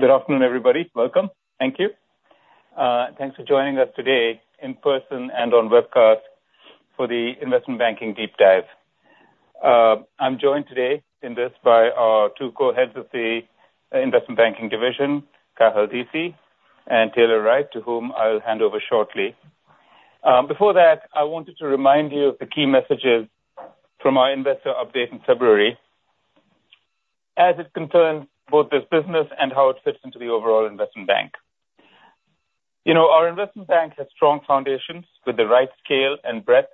Good afternoon, everybody. Welcome. Thank you. Thanks for joining us today in person and on webcast for the Investment Banking Deep Dive. I'm joined today in this by our two co-heads of the Investment Banking division, Cathal Deasy and Taylor Wright, to whom I'll hand over shortly. Before that, I wanted to remind you of the key messages from our investor update in February as it concerns both this business and how it fits into the overall investment bank. You know, our investment bank has strong foundations with the right scale and breadth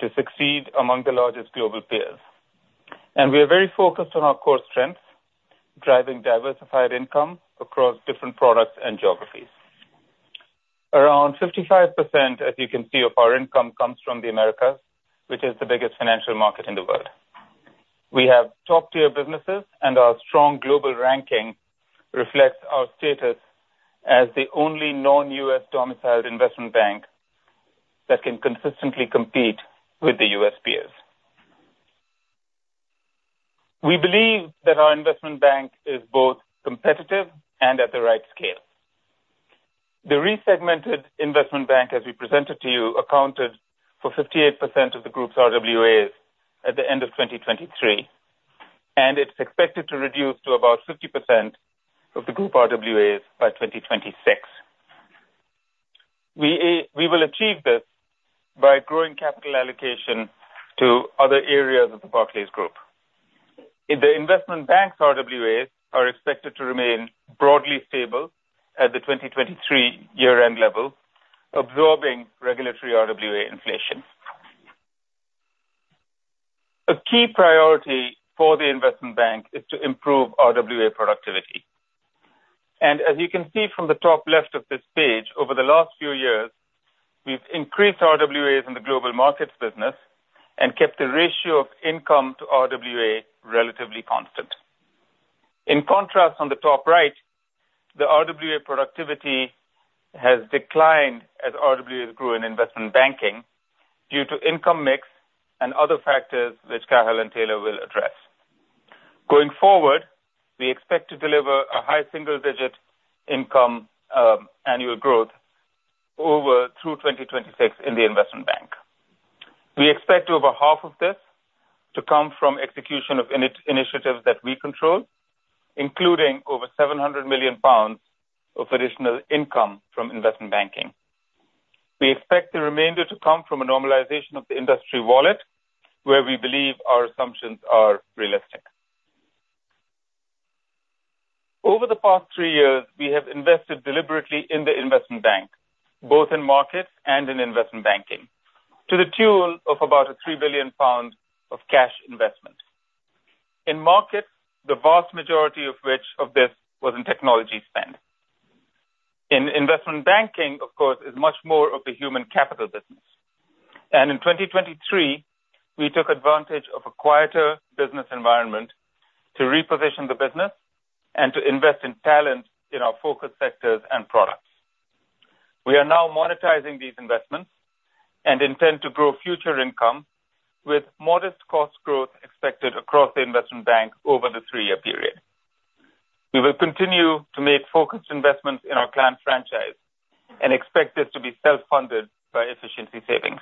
to succeed among the largest global peers. And we are very focused on our core strengths, driving diversified income across different products and geographies. Around 55%, as you can see, of our income comes from the Americas, which is the biggest financial market in the world. We have top-tier businesses, and our strong global ranking reflects our status as the only non-U.S. domiciled investment bank that can consistently compete with the U.S. peers. We believe that our investment bank is both competitive and at the right scale. The resegmented investment bank, as we presented to you, accounted for 58% of the group's RWAs at the end of 2023, and it's expected to reduce to about 50% of the group RWAs by 2026. We will achieve this by growing capital allocation to other areas of the Barclays Group. In the investment bank's RWAs are expected to remain broadly stable at the 2023 year-end level, absorbing regulatory RWA inflation. A key priority for the investment bank is to improve RWA productivity. And as you can see from the top left of this page, over the last few years, we've increased RWAs in the Global Markets business and kept the ratio of income to RWA relatively constant. In contrast, on the top right, the RWA productivity has declined as RWAs grew in investment banking due to income mix and other factors, which Cathal and Taylor will address. Going forward, we expect to deliver a high single digit income annual growth over through 2026 in the investment bank. We expect over half of this to come from execution of initiatives that we control, including over 700 million pounds of additional income from investment banking. We expect the remainder to come from a normalization of the industry wallet, where we believe our assumptions are realistic. Over the past three years, we have invested deliberately in the investment bank, both in markets and in investment banking, to the tune of about 3 billion pound of cash investment. In markets, the vast majority of which of this was in Technology spend. In investment banking, of course, is much more of the human capital business, and in 2023, we took advantage of a quieter business environment to reposition the business and to invest in talent in our focus sectors and products. We are now monetizing these investments and intend to grow future income with modest cost growth expected across the investment bank over the three-year period. We will continue to make focused investments in our client franchise and expect this to be self-funded by efficiency savings.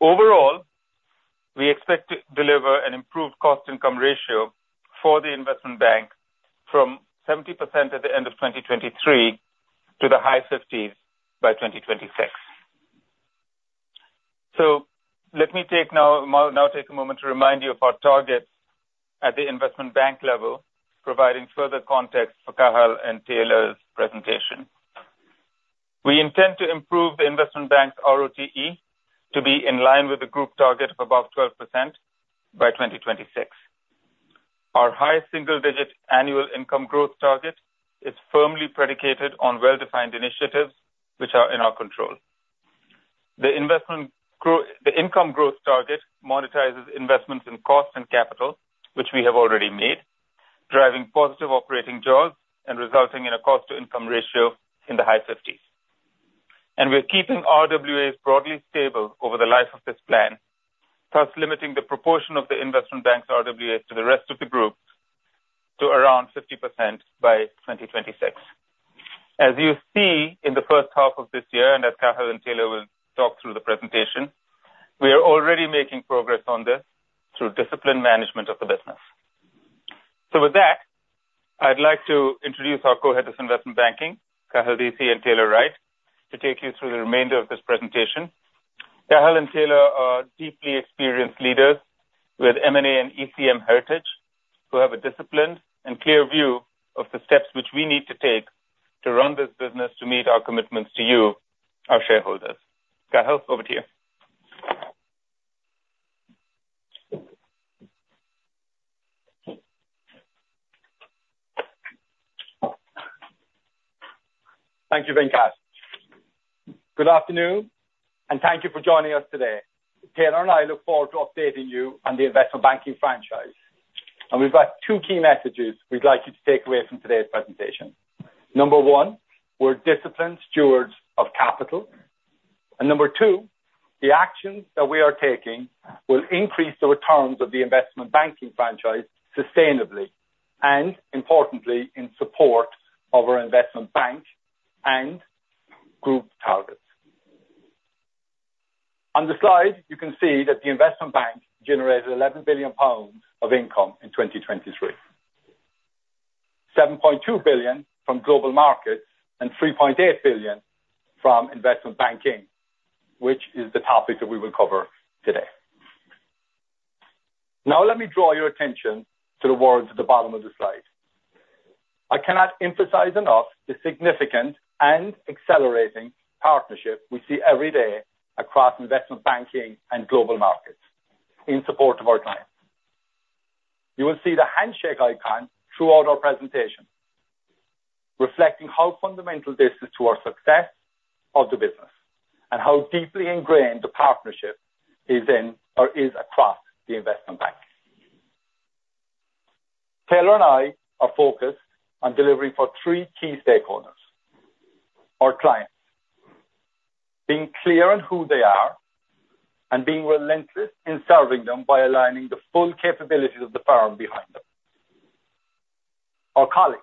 Overall, we expect to deliver an improved cost-income ratio for the investment bank from 70% at the end of 2023 to the high fifties by 2026. Let me now take a moment to remind you of our targets at the investment bank level, providing further context for Cathal and Taylor's presentation. We intend to improve the investment bank's ROTE to be in line with the group target of above 12% by 2026. Our high single digit annual income growth target is firmly predicated on well-defined initiatives which are in our control. The income growth target monetizes investments in cost and capital, which we have already made, driving positive operating jaws and resulting in a cost-to-income ratio in the high fifties. We are keeping RWAs broadly stable over the life of this plan, thus limiting the proportion of the investment bank's RWAs to the rest of the group to around 50% by 2026. As you see, in the first half of this year, and as Cathal and Taylor will talk through the presentation, we are already making progress on this through disciplined management of the business. With that, I'd like to introduce our co-heads of investment banking, Cathal Deasy and Taylor Wright, to take you through the remainder of this presentation. Cathal and Taylor are deeply experienced leaders with M&A and ECM heritage, who have a disciplined and clear view of the steps which we need to take to run this business to meet our commitments to you, our shareholders. Cathal, over to you. Thank you, Venkat. Good afternoon, and thank you for joining us today. Taylor and I look forward to updating you on the investment banking franchise, and we've got two key messages we'd like you to take away from today's presentation. Number one, we're disciplined stewards of capital... and number two, the actions that we are taking will increase the returns of the investment banking franchise sustainably, and importantly, in support of our investment bank and group targets. On the slide, you can see that the investment bank generated 11 billion pounds of income in 2023, 7.2 billion GBP from global markets and 3.8 billion GBP from investment banking, which is the topic that we will cover today. Now, let me draw your attention to the words at the bottom of the slide. I cannot emphasize enough the significant and accelerating partnership we see every day across investment banking and global markets in support of our clients. You will see the handshake icon throughout our presentation, reflecting how fundamental this is to our success of the business and how deeply ingrained the partnership is across the investment bank. Taylor and I are focused on delivering for three key stakeholders. Our clients, being clear on who they are and being relentless in serving them by aligning the full capabilities of the firm behind them. Our colleagues,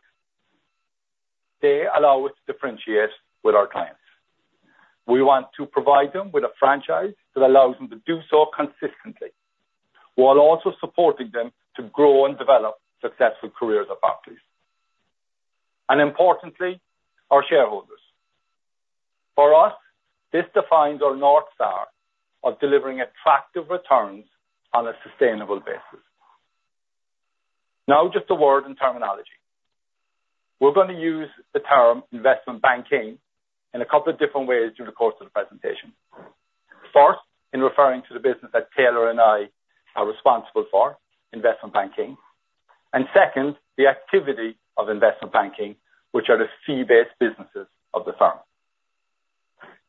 they allow us to differentiate with our clients. We want to provide them with a franchise that allows them to do so consistently, while also supporting them to grow and develop successful careers at Barclays. And importantly, our shareholders. For us, this defines our North Star of delivering attractive returns on a sustainable basis. Now, just a word in terminology. We're going to use the term investment banking in a couple of different ways during the course of the presentation. First, in referring to the business that Taylor and I are responsible for, investment banking, and second, the activity of investment banking, which are the fee-based businesses of the firm.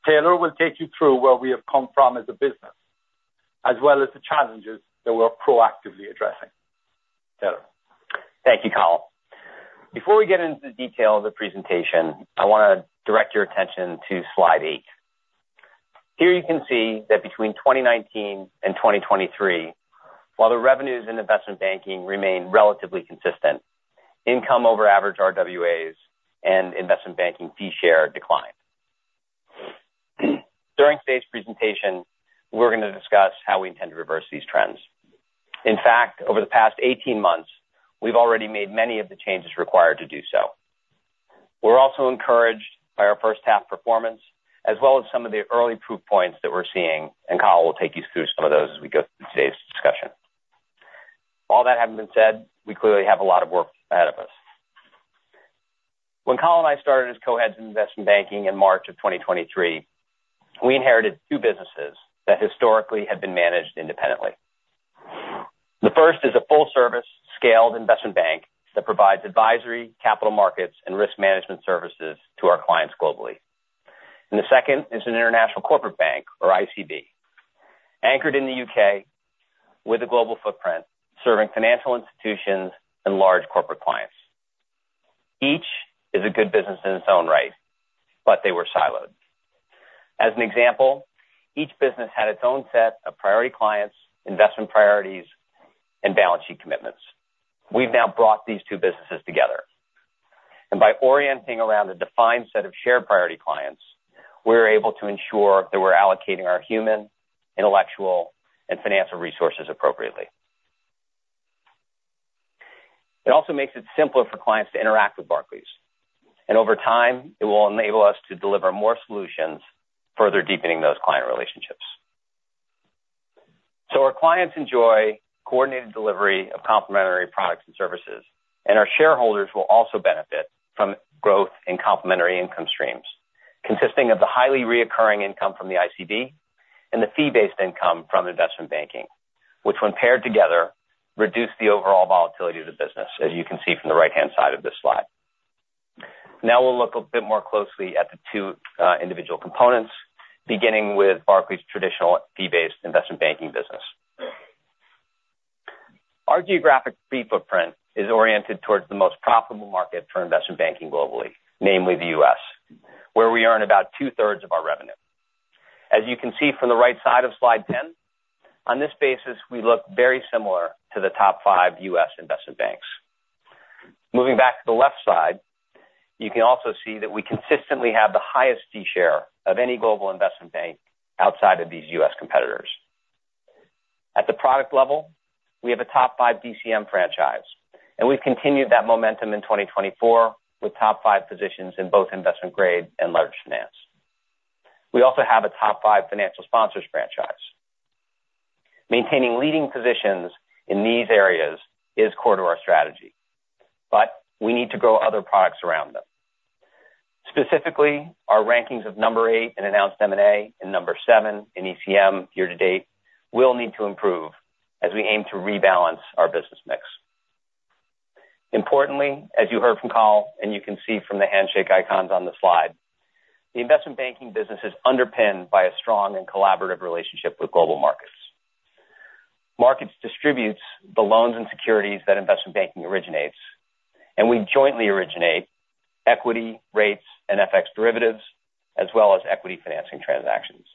Taylor will take you through where we have come from as a business, as well as the challenges that we're proactively addressing. Taylor. Thank you, Cathal. Before we get into the detail of the presentation, I want to direct your attention to slide eight. Here you can see that between twenty nineteen and twenty twenty-three, while the revenues in investment banking remained relatively consistent, income over average RWAs and investment banking fee share declined. During today's presentation, we're going to discuss how we intend to reverse these trends. In fact, over the past eighteen months, we've already made many of the changes required to do so. We're also encouraged by our first half performance, as well as some of the early proof points that we're seeing, and Cathal will take you through some of those as we go through today's discussion. All that having been said, we clearly have a lot of work ahead of us. When Cathal and I started as co-heads of investment banking in March 2023, we inherited two businesses that historically had been managed independently. The first is a full service scaled investment bank that provides advisory, capital markets and risk management services to our clients globally, and the second is an international corporate bank, or ICB, anchored in the U.K. with a global footprint, serving financial institutions and large corporate clients. Each is a good business in its own right, but they were siloed. As an example, each business had its own set of priority clients, investment priorities, and balance sheet commitments. We've now brought these two businesses together, and by orienting around a defined set of shared priority clients, we're able to ensure that we're allocating our human, intellectual, and financial resources appropriately. It also makes it simpler for clients to interact with Barclays, and over time, it will enable us to deliver more solutions, further deepening those client relationships. So our clients enjoy coordinated delivery of complementary products and services, and our shareholders will also benefit from growth and complementary income streams, consisting of the highly recurring income from the ICB and the fee-based income from investment banking, which, when paired together, reduce the overall volatility of the business, as you can see from the right-hand side of this slide. Now we'll look a bit more closely at the two individual components, beginning with Barclays' traditional fee-based investment banking business. Our geographic fee footprint is oriented towards the most profitable market for investment banking globally, namely the U.S., where we earn about two-thirds of our revenue. As you can see from the right side of slide 10, on this basis, we look very similar to the top 5 U.S. investment banks. Moving back to the left side, you can also see that we consistently have the highest fee share of any global investment bank outside of these U.S. competitors. At the product level, we have a top 5 DCM franchise, and we've continued that momentum in 2024 with top 5 positions in both investment grade and leveraged finance. We also have a top 5 financial sponsors franchise. Maintaining leading positions in these areas is core to our strategy, but we need to grow other products around them. Specifically, our rankings of number 8 in announced M&A and number 7 in ECM year to date will need to improve as we aim to rebalance our business mix. Importantly, as you heard from Cathal, and you can see from the handshake icons on the slide, the investment banking business is underpinned by a strong and collaborative relationship with global markets. Markets distributes the loans and securities that investment banking originates, and we jointly originate equity, rates, and FX derivatives, as well as equity financing transactions.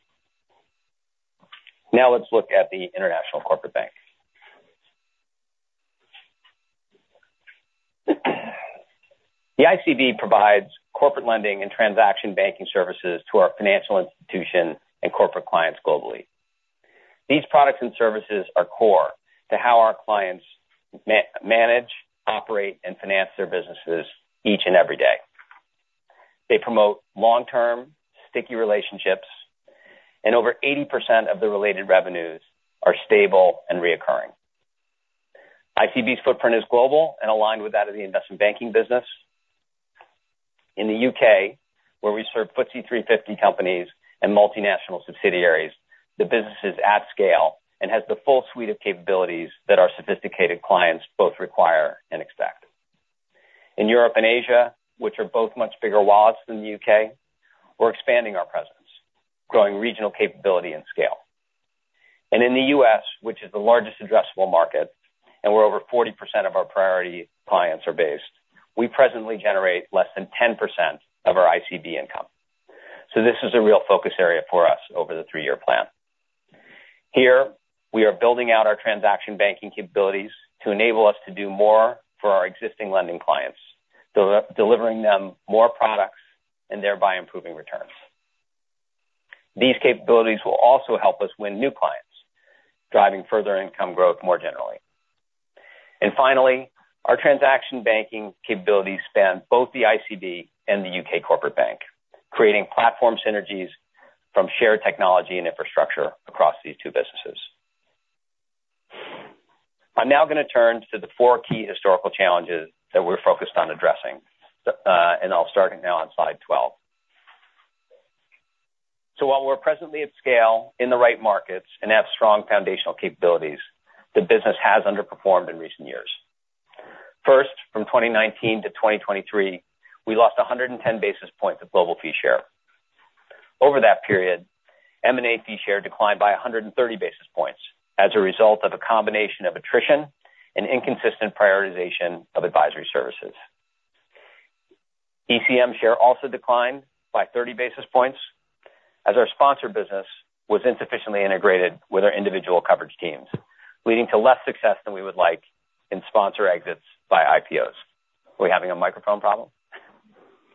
Now let's look at the International Corporate Bank. The ICB provides corporate lending and transaction banking services to our financial institution and corporate clients globally. These products and services are core to how our clients manage, operate, and finance their businesses each and every day. They promote long-term sticky relationships, and over 80% of the related revenues are stable and recurring. ICB's footprint is global and aligned with that of the investment banking business. In the U.K., where we serve FTSE 350 companies and multinational subsidiaries, the business is at scale and has the full suite of capabilities that our sophisticated clients both require and expect. In Europe and Asia, which are both much bigger wallets than the U.K., we're expanding our presence, growing regional capability and scale, and in the U.S., which is the largest addressable market, and where over 40% of our priority clients are based, we presently generate less than 10% of our ICB income, so this is a real focus area for us over the three-year plan. Here, we are building out our transaction banking capabilities to enable us to do more for our existing lending clients, delivering them more products and thereby improving returns. These capabilities will also help us win new clients, driving further income growth more generally. Finally, our transaction banking capabilities span both the ICB and the UK Corporate Bank, creating platform synergies from shared technology and infrastructure across these two businesses. I'm now gonna turn to the four key historical challenges that we're focused on addressing, and I'll start now on slide 12. While we're presently at scale in the right markets and have strong foundational capabilities, the business has underperformed in recent years. First, from 2019 to 2023, we lost one hundred and ten basis points of global fee share. Over that period, M&A fee share declined by one hundred and thirty basis points as a result of a combination of attrition and inconsistent prioritization of advisory services. ECM share also declined by thirty basis points, as our sponsor business was insufficiently integrated with our individual coverage teams, leading to less success than we would like in sponsor exits by IPOs. We're having a microphone problem?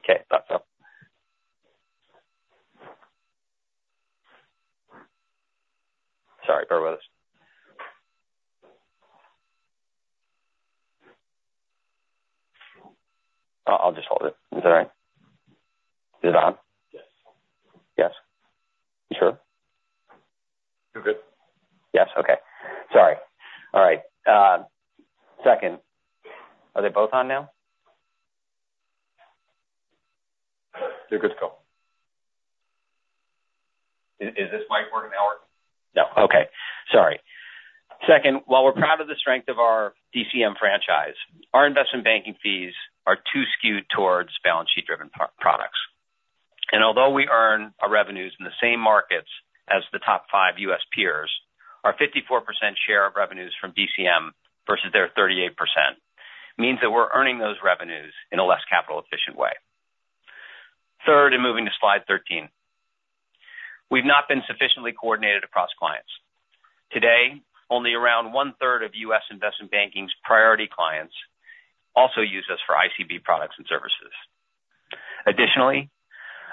Okay, thought so. Sorry, bear with us. I'll just hold it. Is that all right? Is it on? Yes. Yes. You sure? You're good. Yes. Okay. Sorry. All right, second. Are they both on now? You're good to go. Is this mic working now? No. Okay. Sorry. Second, while we're proud of the strength of our DCM franchise, our investment banking fees are too skewed towards balance sheet-driven pro- products. Although we earn our revenues in the same markets as the top five U.S. peers, our 54% share of revenues from DCM versus their 38%, means that we're earning those revenues in a less capital efficient way. Third, and moving to slide 13. We've not been sufficiently coordinated across clients. Today, only around one-third of U.S. investment banking's priority clients also use us for ICB products and services. Additionally,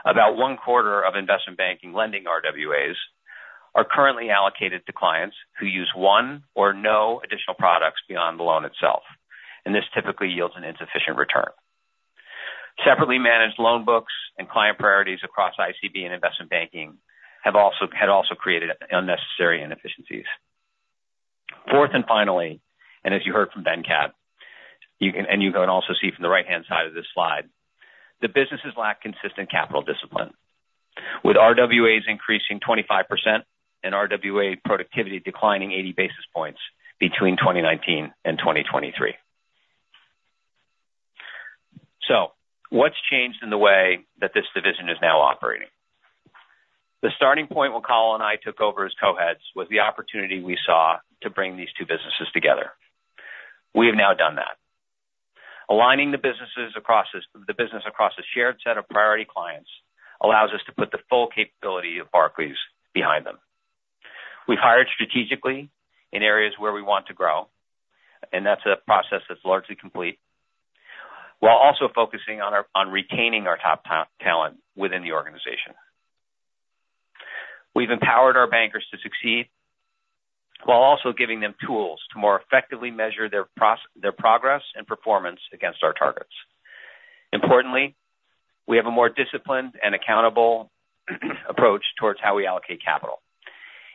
about one-quarter of investment banking lending RWAs are currently allocated to clients who use one or no additional products beyond the loan itself, and this typically yields an insufficient return. Separately managed loan books and client priorities across ICB and investment banking have also created unnecessary inefficiencies. Fourth, and finally, and as you heard from Venkat, you can... And you can also see from the right-hand side of this slide, the businesses lack consistent capital discipline, with RWAs increasing 25% and RWA productivity declining eighty basis points between 2019 and 2023. So what's changed in the way that this division is now operating? The starting point when Cathal and I took over as co-heads was the opportunity we saw to bring these two businesses together. We have now done that. Aligning the businesses across the business across a shared set of priority clients allows us to put the full capability of Barclays behind them. We've hired strategically in areas where we want to grow, and that's a process that's largely complete, while also focusing on retaining our top talent within the organization. We've empowered our bankers to succeed, while also giving them tools to more effectively measure their progress and performance against our targets. Importantly, we have a more disciplined and accountable approach towards how we allocate capital,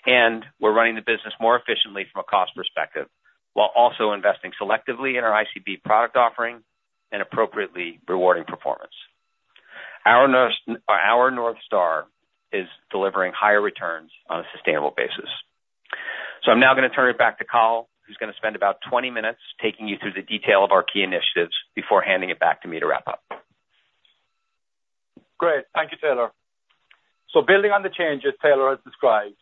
and we're running the business more efficiently from a cost perspective, while also investing selectively in our ICB product offering and appropriately rewarding performance. Our North Star is delivering higher returns on a sustainable basis. So I'm now gonna turn it back to Cathal, who's gonna spend about 20 minutes taking you through the detail of our key initiatives before handing it back to me to wrap up.... Thank you, Taylor. So building on the changes Taylor has described,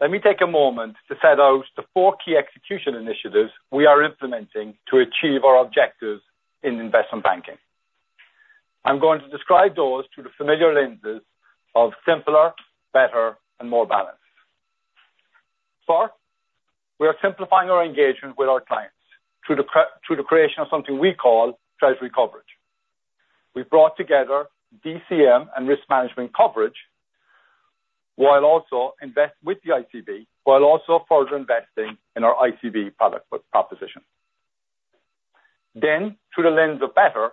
let me take a moment to set out the four key execution initiatives we are implementing to achieve our objectives in investment banking. I'm going to describe those through the familiar lenses of simpler, better, and more balanced. First, we are simplifying our engagement with our clients through the creation of something we call treasury coverage. We've brought together DCM and risk management coverage, while also further investing in our ICB product proposition. Then, through the lens of better,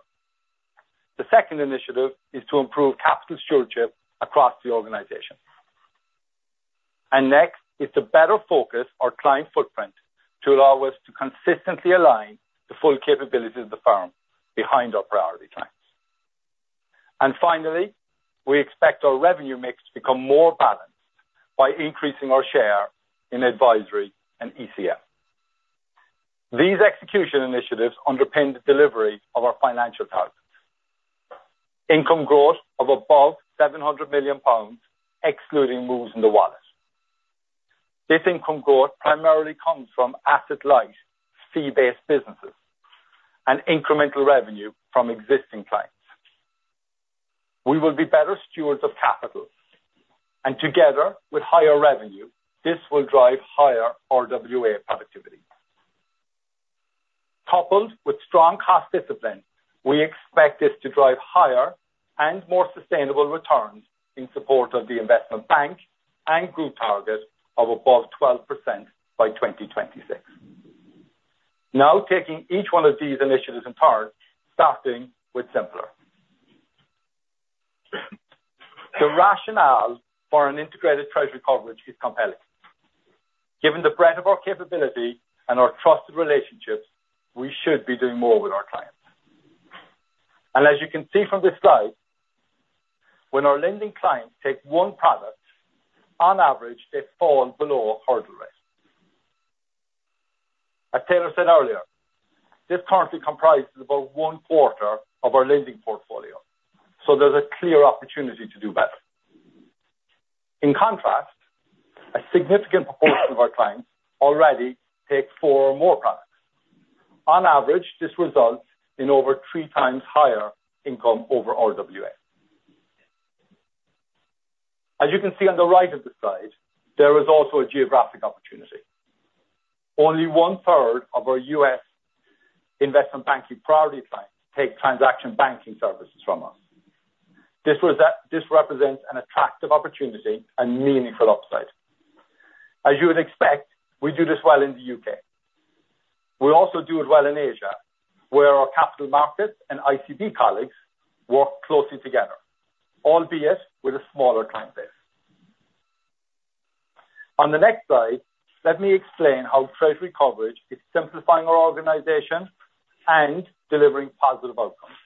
the second initiative is to improve capital stewardship across the organization. And next is to better focus our client footprint to allow us to consistently align the full capabilities of the firm behind our priority clients. And finally, we expect our revenue mix to become more balanced by increasing our share in advisory and ECM. These execution initiatives underpin the delivery of our financial targets. Income growth of above 700 million pounds, excluding moves in the wallet. This income growth primarily comes from asset light, fee-based businesses and incremental revenue from existing clients. We will be better stewards of capital, and together with higher revenue, this will drive higher RWA productivity. Coupled with strong cost discipline, we expect this to drive higher and more sustainable returns in support of the investment bank and group target of above 12% by 2026. Now, taking each one of these initiatives in turn, starting with simpler. The rationale for an integrated treasury coverage is compelling. Given the breadth of our capability and our trusted relationships, we should be doing more with our clients. As you can see from this slide, when our lending clients take one product, on average, they fall below hurdle rates. As Taylor said earlier, this currently comprises about one quarter of our lending portfolio, so there's a clear opportunity to do better. In contrast, a significant proportion of our clients already take four or more products. On average, this results in over three times higher income over RWA. As you can see on the right of the slide, there is also a geographic opportunity. Only one-third of our U.S. investment banking priority clients take transaction banking services from us. This represents an attractive opportunity and meaningful upside. As you would expect, we do this well in the U.K. We also do it well in Asia, where our capital markets and ICB colleagues work closely together, albeit with a smaller client base. On the next slide, let me explain how treasury coverage is simplifying our organization and delivering positive outcomes.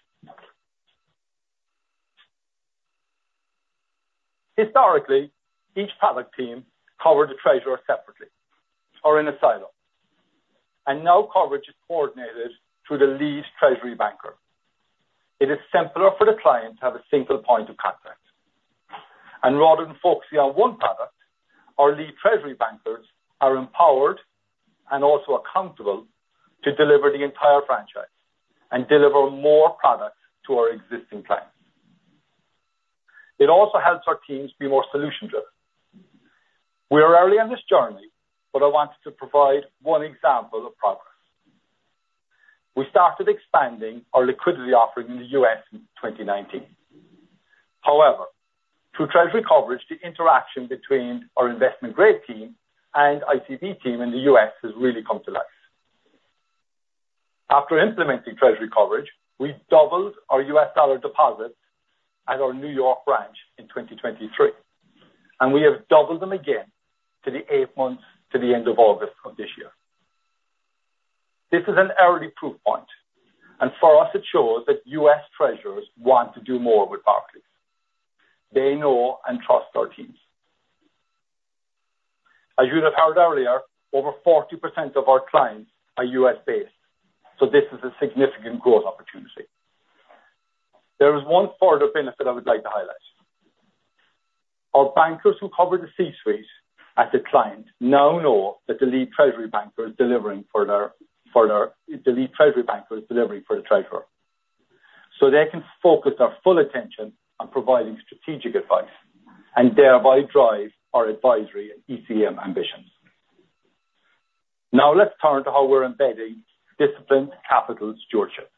Historically, each product team covered the treasurer separately or in a silo, and now coverage is coordinated through the lead treasury banker. It is simpler for the client to have a single point of contact. And rather than focusing on one product, our lead treasury bankers are empowered and also accountable to deliver the entire franchise and deliver more products to our existing clients. It also helps our teams be more solution driven. We are early on this journey, but I wanted to provide one example of progress. We started expanding our liquidity offering in the US in 2019. However, through treasury coverage, the interaction between our investment grade team and ICB team in the U.S. has really come to life. After implementing treasury coverage, we doubled our U.S. dollar deposits at our New York branch in 2023, and we have doubled them again to the eighth month, to the end of August of this year. This is an early proof point, and for us, it shows that U.S. treasurers want to do more with Barclays. They know and trust our teams. As you have heard earlier, over 40% of our clients are U.S.-based, so this is a significant growth opportunity. There is one further benefit I would like to highlight. Our bankers who cover the C-suite at the client now know that the lead treasury banker is delivering for the treasurer, so they can focus our full attention on providing strategic advice and thereby drive our advisory and ECM ambitions. Now, let's turn to how we're embedding disciplined capital stewardship.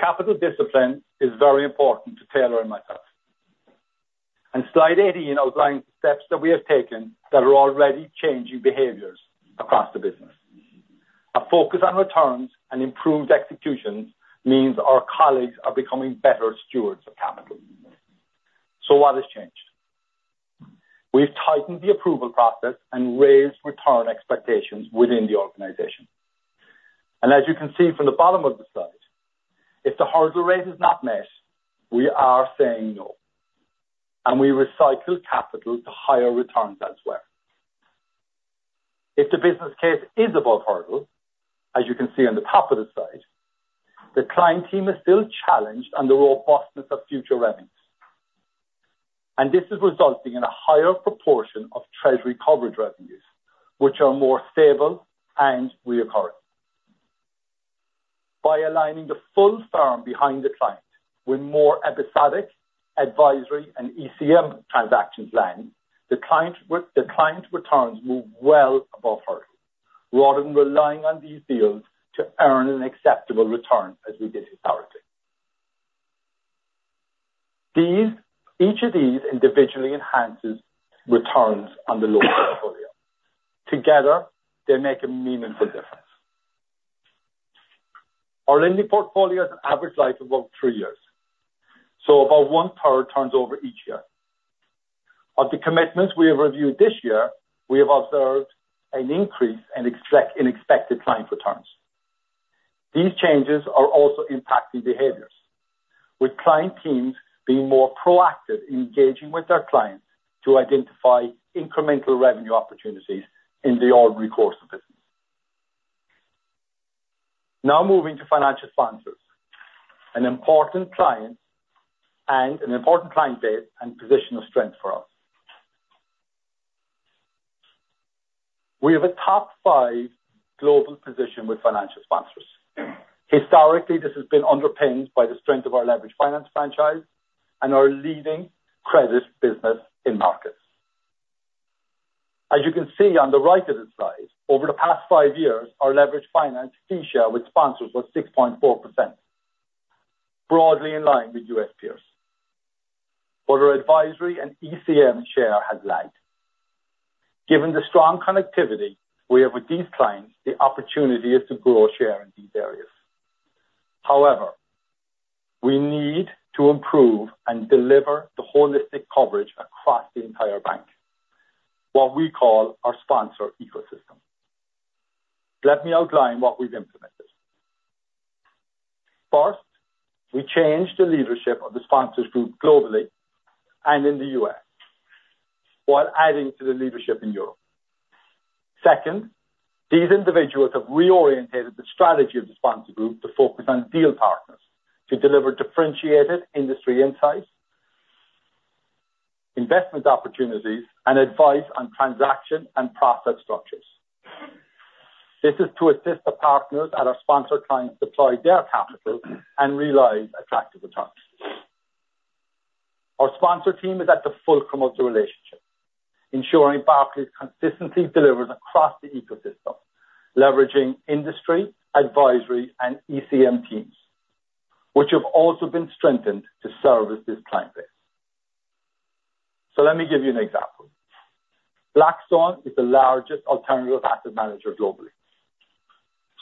Capital discipline is very important to Taylor and myself, and slide 18 outlines steps that we have taken that are already changing behaviors across the business. A focus on returns and improved executions means our colleagues are becoming better stewards of capital. So what has changed? We've tightened the approval process and raised return expectations within the organization. And as you can see from the bottom of the slide, if the hurdle rate is not met, we are saying no... and we recycle capital to higher returns as well. If the business case is above hurdle, as you can see on the top of the slide, the client team is still challenged on the robustness of future revenues. And this is resulting in a higher proportion of treasury coverage revenues, which are more stable and recurring. By aligning the full firm behind the client with more episodic, advisory, and ECM transaction planning, the client returns move well above hurdle, rather than relying on these deals to earn an acceptable return as we did historically. Each of these individually enhances returns on the loan portfolio. Together, they make a meaningful difference. Our lending portfolio has an average life of about three years, so about one third turns over each year. Of the commitments we have reviewed this year, we have observed an increase in expected client returns. These changes are also impacting behaviors, with client teams being more proactive in engaging with their clients to identify incremental revenue opportunities in the ordinary course of business. Now moving to financial sponsors, an important client base and position of strength for us. We have a top five global position with financial sponsors. Historically, this has been underpinned by the strength of our leveraged finance franchise and our leading credit business in markets. As you can see on the right of the slide, over the past five years, our leveraged finance fee share with sponsors was 6.4%, broadly in line with U.S. peers. But our advisory and ECM share has lagged. Given the strong connectivity we have with these clients, the opportunity is to grow share in these areas. However, we need to improve and deliver the holistic coverage across the entire bank, what we call our sponsor ecosystem. Let me outline what we've implemented. First, we changed the leadership of the Sponsors Group globally and in the U.S., while adding to the leadership in Europe. Second, these individuals have reorientated the strategy of the sponsor group to focus on deal partners, to deliver differentiated industry insights, investment opportunities, and advice on transaction and process structures. This is to assist the partners at our sponsor clients deploy their capital and realize attractive returns. Our sponsor team is at the fulcrum of the relationship, ensuring Barclays consistently delivers across the ecosystem, leveraging industry, advisory, and ECM teams, which have also been strengthened to service this client base. So let me give you an example. Blackstone is the largest alternative asset manager globally.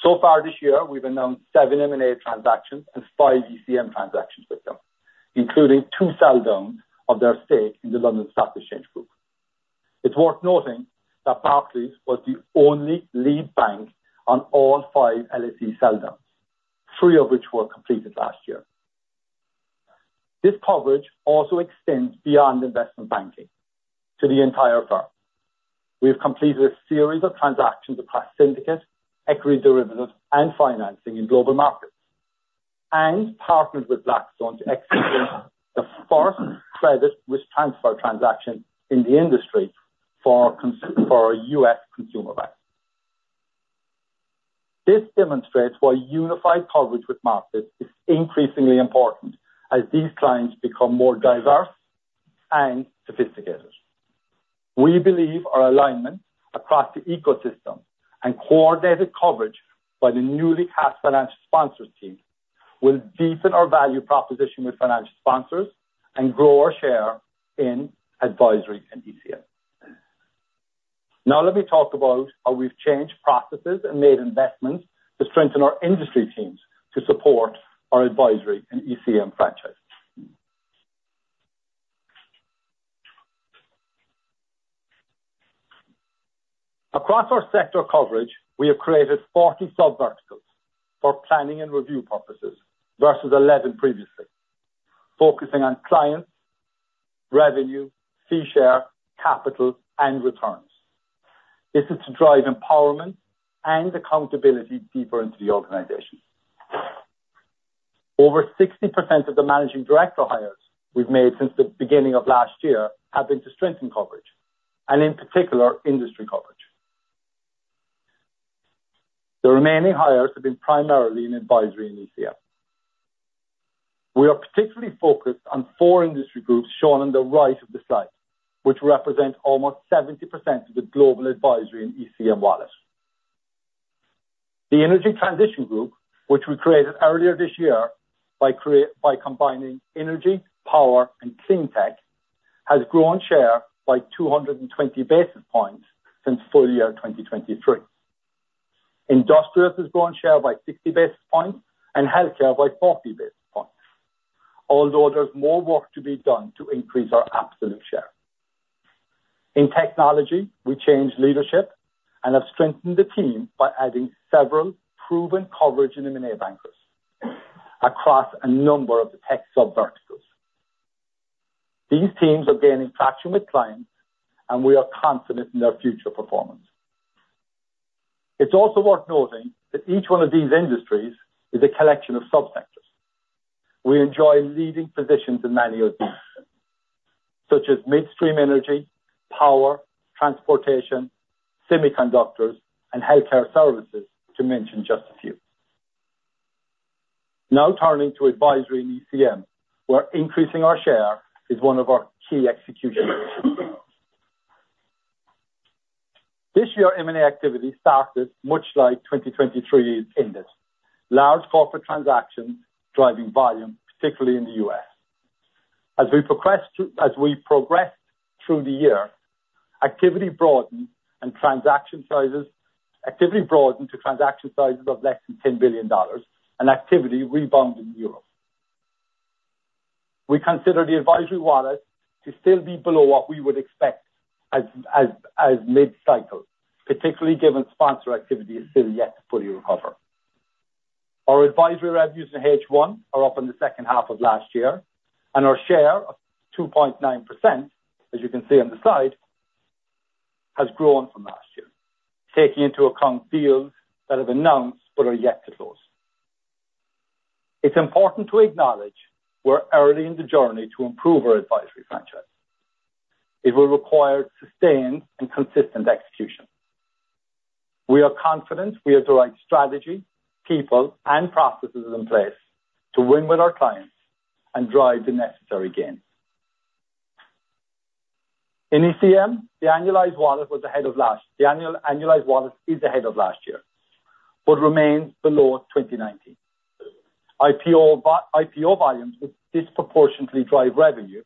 So far this year, we've announced seven M&A transactions and five ECM transactions with them, including two sell downs of their stake in the London Stock Exchange Group. It's worth noting that Barclays was the only lead bank on all five LSE sell downs, three of which were completed last year. This coverage also extends beyond investment banking to the entire firm. We have completed a series of transactions across syndicate, equity derivatives, and financing in global markets, and partnered with Blackstone to execute the first credit risk transfer transaction in the industry for our U.S. consumer bank. This demonstrates why unified coverage with markets is increasingly important as these clients become more diverse and sophisticated. We believe our alignment across the ecosystem and coordinated coverage by the newly cast financial sponsors team will deepen our value proposition with financial sponsors and grow our share in advisory and ECM. Now, let me talk about how we've changed processes and made investments to strengthen our industry teams to support our advisory and ECM franchise. Across our sector coverage, we have created 40 sub verticals for planning and review purposes versus 11 previously, focusing on clients, revenue, fee share, capital, and returns. This is to drive empowerment and accountability deeper into the organization. Over 60% of the managing director hires we've made since the beginning of last year have been to strengthen coverage, and in particular, industry coverage. The remaining hires have been primarily in advisory and ECM. We are particularly focused on four industry groups shown on the right of the slide, which represent almost 70% of the global advisory in ECM wallets. The Energy Transition Group, which we created earlier this year by combining energy, power, and clean tech, has grown share by 220 basis points since full year 2023. Industrials has grown share by 60 basis points and Healthcare by 40 basis points. Although there's more work to be done to increase our absolute share. In technology, we changed leadership and have strengthened the team by adding several proven coverage M&A bankers across a number of the tech sub verticals. These teams are gaining traction with clients, and we are confident in their future performance. It's also worth noting that each one of these industries is a collection of subsectors. We enjoy leading positions in many of these, such as midstream energy, power, transportation, semiconductors, and healthcare services, to mention just a few. Now turning to advisory and ECM, where increasing our share is one of our key execution. This year, M&A activity started much like 2023 ended, large corporate transactions driving volume, particularly in the U.S. As we progressed through the year, activity broadened to transaction sizes of less than $10 billion, and activity rebounded in Europe. We consider the advisory wallet to still be below what we would expect as mid-cycle, particularly given sponsor activity is still yet to fully recover. Our advisory revenues in H1 are up in the second half of last year, and our share of 2.9%, as you can see on the slide, has grown from last year, taking into account deals that have been announced but are yet to close. It's important to acknowledge we're early in the journey to improve our advisory franchise. It will require sustained and consistent execution. We are confident we have the right strategy, people, and processes in place to win with our clients and drive the necessary gains. In ECM, the annualized wallet is ahead of last year, but remains below 2019. IPO volumes, which disproportionately drive revenue,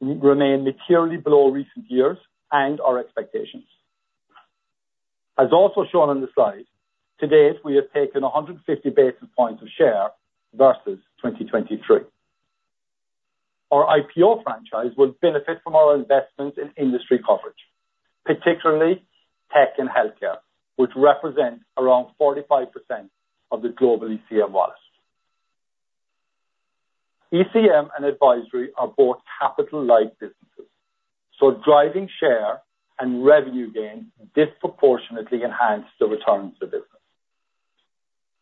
remain materially below recent years and our expectations. As also shown on the slide, to date, we have taken 150 basis points of share versus 2023. Our IPO franchise will benefit from our investments in industry coverage, particularly tech and healthcare, which represents around 45% of the global ECM wallet. ECM and advisory are both capital light businesses, so driving share and revenue gains disproportionately enhance the returns to business.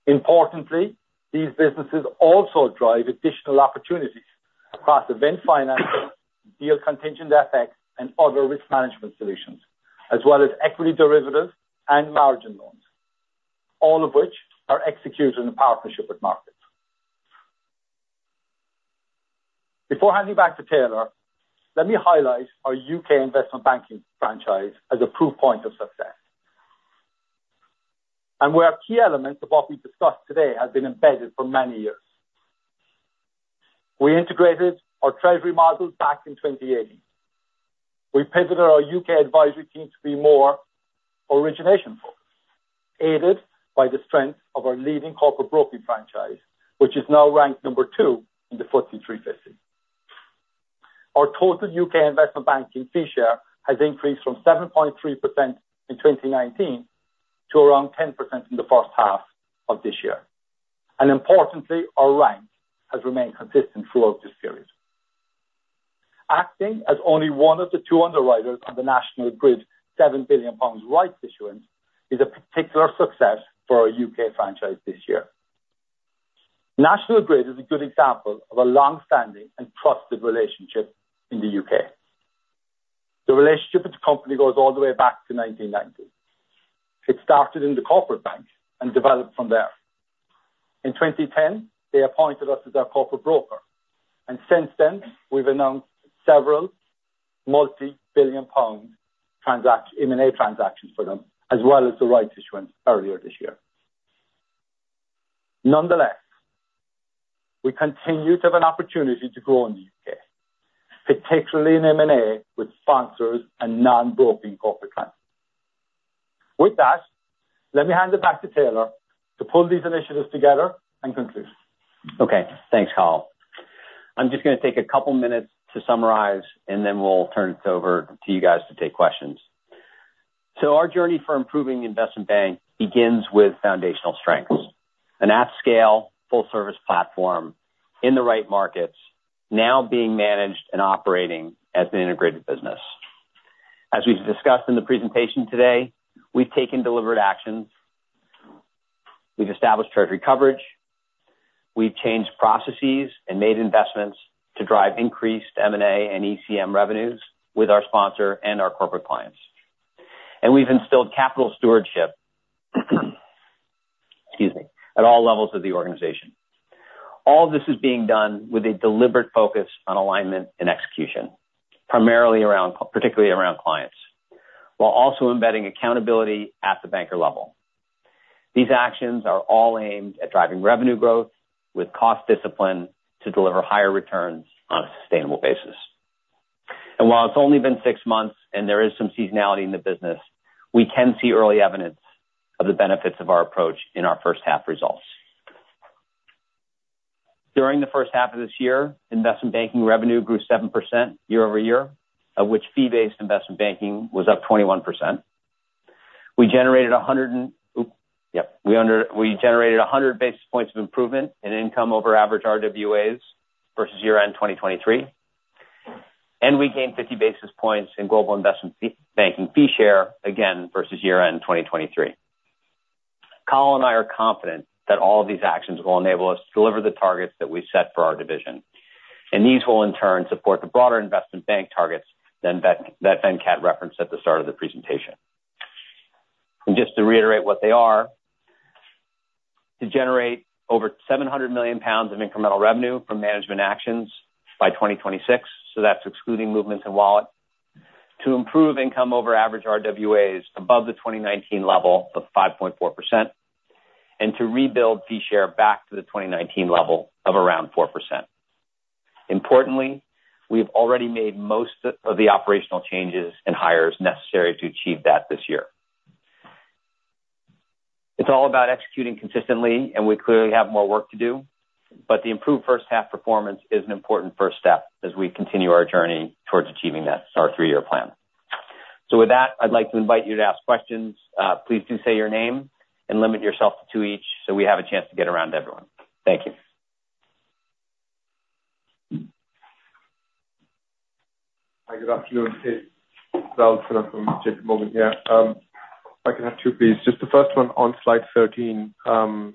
Importantly, these businesses also drive additional opportunities across event financing, Deal Contingent FX, and other risk management solutions, as well as equity derivatives and margin loans, all of which are executed in partnership with markets. Before handing back to Taylor, let me highlight our UK investment banking franchise as a proof point of success, and where key elements of what we've discussed today have been embedded for many years. We integrated our treasury model back in 2018. We pivoted our U.K. advisory team to be more origination focused, aided by the strength of our leading corporate broking franchise, which is now ranked number two in the FTSE 350. Our total UK investment banking fee share has increased from 7.3% in 2019 to around 10% in the first half of this year, and importantly, our rank has remained consistent throughout this period. Acting as only one of the two underwriters on the National Grid's 7 billion pounds rights issuance is a particular success for our U.K. franchise this year. National Grid is a good example of a long-standing and trusted relationship in the U.K. The relationship with the company goes all the way back to nineteen ninety. It started in the corporate bank and developed from there. In twenty ten, they appointed us as their corporate broker, and since then, we've announced several multi-billion GBP M&A transactions for them, as well as the rights issuance earlier this year. Nonetheless, we continue to have an opportunity to grow in the U.K., particularly in M&A with sponsors and non-broking corporate clients. With that, let me hand it back to Taylor to pull these initiatives together and conclude. Okay, thanks, Cathal. I'm just gonna take a couple minutes to summarize, and then we'll turn it over to you guys to take questions. So our journey for improving the investment bank begins with foundational strengths, an at scale, full service platform in the right markets, now being managed and operating as an integrated business. As we've discussed in the presentation today, we've taken deliberate actions, we've established Treasury Coverage, we've changed processes and made investments to drive increased M&A and ECM revenues with our sponsor and our corporate clients, and we've instilled capital stewardship, excuse me, at all levels of the organization. All this is being done with a deliberate focus on alignment and execution, primarily around, particularly around clients, while also embedding accountability at the banker level. These actions are all aimed at driving revenue growth with cost discipline to deliver higher returns on a sustainable basis. While it's only been six months and there is some seasonality in the business, we can see early evidence of the benefits of our approach in our first half results. During the first half of this year, investment banking revenue grew 7% year over year, of which fee-based investment banking was up 21%. We generated 100 basis points of improvement in income over average RWAs versus year-end 2023, and we gained 50 basis points in global investment banking fee share again versus year-end 2023. Cathal and I are confident that all of these actions will enable us to deliver the targets that we set for our division, and these will in turn support the broader investment bank targets that Venkat referenced at the start of the presentation. Just to reiterate what they are, to generate over 700 million pounds of incremental revenue from management actions by 2026, so that's excluding movements in wallet. To improve income over average RWAs above the 2019 level of 5.4%, and to rebuild fee share back to the 2019 level of around 4%. Importantly, we have already made most of the operational changes and hires necessary to achieve that this year. It's all about executing consistently, and we clearly have more work to do, but the improved first half performance is an important first step as we continue our journey towards achieving this, our three-year plan. With that, I'd like to invite you to ask questions. Please do say your name and limit yourself to two each, so we have a chance to get around to everyone. Thank you. Hi, good afternoon. It's Raul Sinha from J.P. Morgan here. If I can have two, please. Just the first one on slide 13, where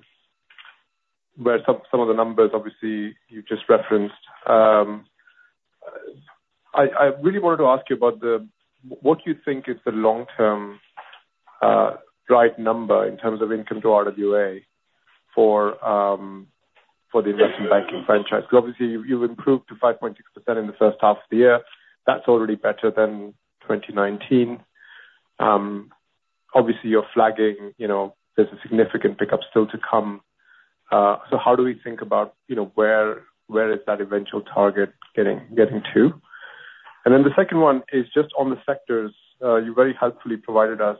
some of the numbers obviously you just referenced. I really wanted to ask you about what you think is the long-term right number in terms of income to RWA for the investment banking franchise? Because obviously you've improved to 5.6% in the first half of the year. That's already better than 2019. Obviously, you're flagging, you know, there's a significant pickup still to come. So how do we think about, you know, where is that eventual target getting to? And then the second one is just on the sectors. You very helpfully provided us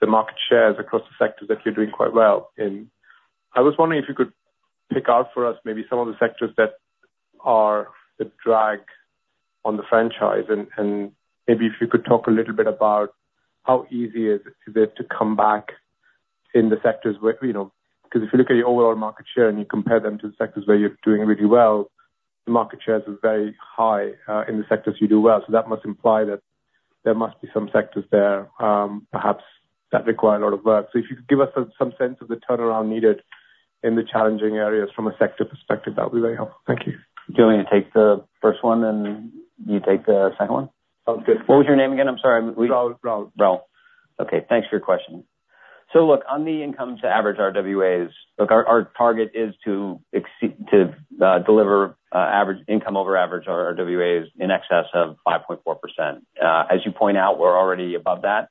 the market shares across the sectors that you're doing quite well in. I was wondering if you could pick out for us maybe some of the sectors that are the drag on the franchise, and maybe if you could talk a little bit about how easy is it to come back in the sectors where, you know, because if you look at your overall market share and you compare them to the sectors where you're doing really well, the market shares are very high in the sectors you do well. So that must imply that there must be some sectors there, perhaps, that require a lot of work. So if you could give us some sense of the turnaround needed in the challenging areas from a sector perspective, that would be very helpful. Thank you. Do you want me to take the first one, and you take the second one? Oh, good. What was your name again? I'm sorry, we- Raul, Raul. Raul. Okay, thanks for your question. So look, on the income to average RWAs, look, our target is to exceed to deliver average income over average RWAs in excess of 5.4%. As you point out, we're already above that.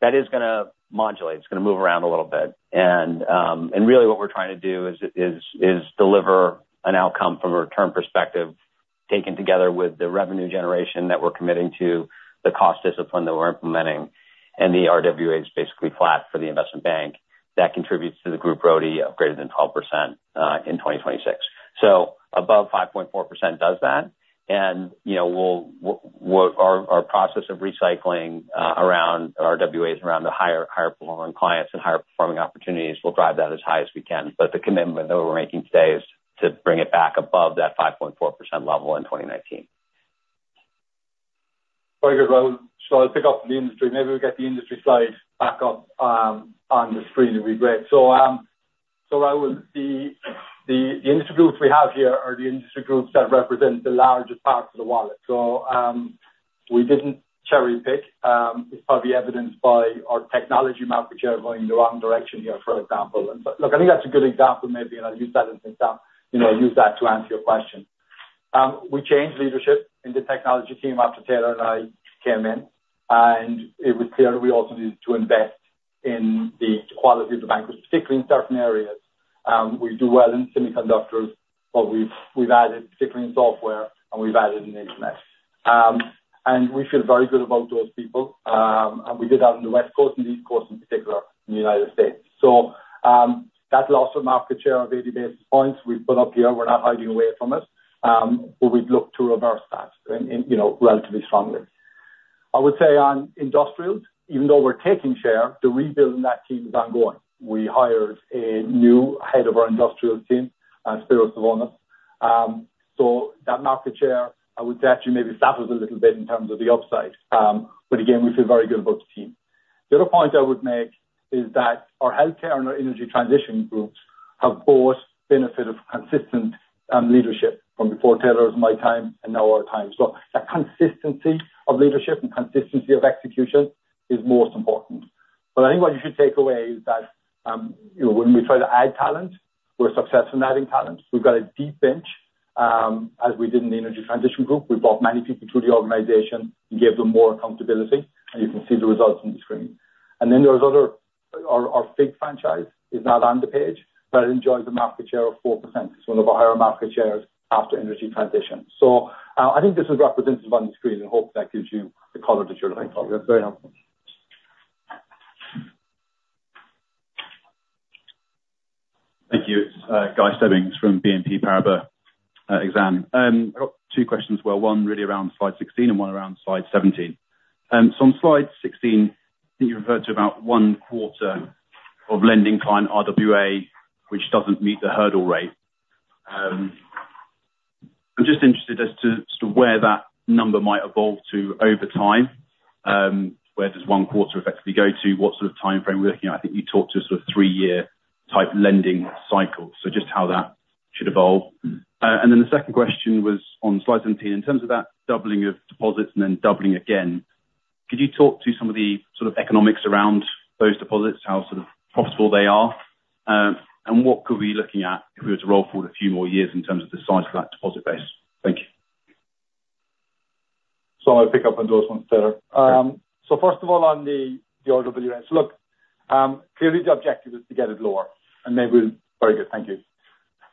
That is gonna modulate, it's gonna move around a little bit. And really what we're trying to do is deliver an outcome from a return perspective, taken together with the revenue generation that we're committing to, the cost discipline that we're implementing, and the RWAs, basically flat for the investment bank, that contributes to the group ROE of greater than 12% in 2026. Above 5.4% does that, and, you know, we'll, we're our process of recycling around RWAs around the higher performing clients and higher performing opportunities will drive that as high as we can. But the commitment that we're making today is to bring it back above that 5.4% level in 2019. Very good, Raul. So I'll pick up the industry. Maybe we'll get the industry slide back up, on the screen. It'll be great. So, Raul, the industry groups we have here are the industry groups that represent the largest parts of the wallet. So, we didn't cherry-pick. It's probably evidenced by our technology market share going in the wrong direction here, for example. And but look, I think that's a good example, maybe, and I'll use that as an example, you know, use that to answer your question. We changed leadership in the technology team after Taylor and I came in, and it was clear we also needed to invest in the quality of the bankers, particularly in certain areas. We do well in semiconductors, but we've added particularly in software and we've added in AWS. And we feel very good about those people. And we did that on the West Coast and the East Coast, in particular, in the United States. So, that loss of market share of 80 basis points we've put up here, we're not hiding away from it, but we'd look to reverse that in you know, relatively strongly. I would say on industrials, even though we're taking share, the rebuild in that team is ongoing. We hired a new head of our industrials team, Spyridon Svoronos. So that market share, I would say, actually maybe stutters a little bit in terms of the upside. But again, we feel very good about the team. The other point I would make is that our healthcare and our energy transition groups have both benefited from consistent, leadership from before Taylor's and my time and now our time. So that consistency of leadership and consistency of execution is most important. But I think what you should take away is that, you know, when we try to add talent, we're successful in adding talent. We've got a deep bench, as we did in the energy transition group. We brought many people to the organization and gave them more accountability, and you can see the results on the screen. And then there's our FIG franchise is not on the page, but it enjoys a market share of 4%. It's one of our higher market shares after energy transition. I think this is represented on the screen and I hope that gives you the color that you're looking for. That's very helpful. Thank you. Guy Stebbings from BNP Paribas Exane. I've got two questions, one really around slide 16 and one around slide 17. So on slide 16, I think you referred to about one quarter of lending client RWA, which doesn't meet the hurdle rate. I'm just interested as to where that number might evolve to over time, where does one quarter effectively go to? What sort of timeframe are we looking at? I think you talked to a sort of three-year type lending cycle, so just how that should evolve. And then the second question was on slide 17. In terms of that doubling of deposits and then doubling again, could you talk to some of the sort of economics around those deposits, how sort of profitable they are? What could we be looking at if we were to roll forward a few more years in terms of the size of that deposit base? Thank you. So I'll pick up on those ones, Sarah. Um, so first of all, on the, the RWAs, look, um, clearly the objective is to get it lower, and they will... Very good, thank you.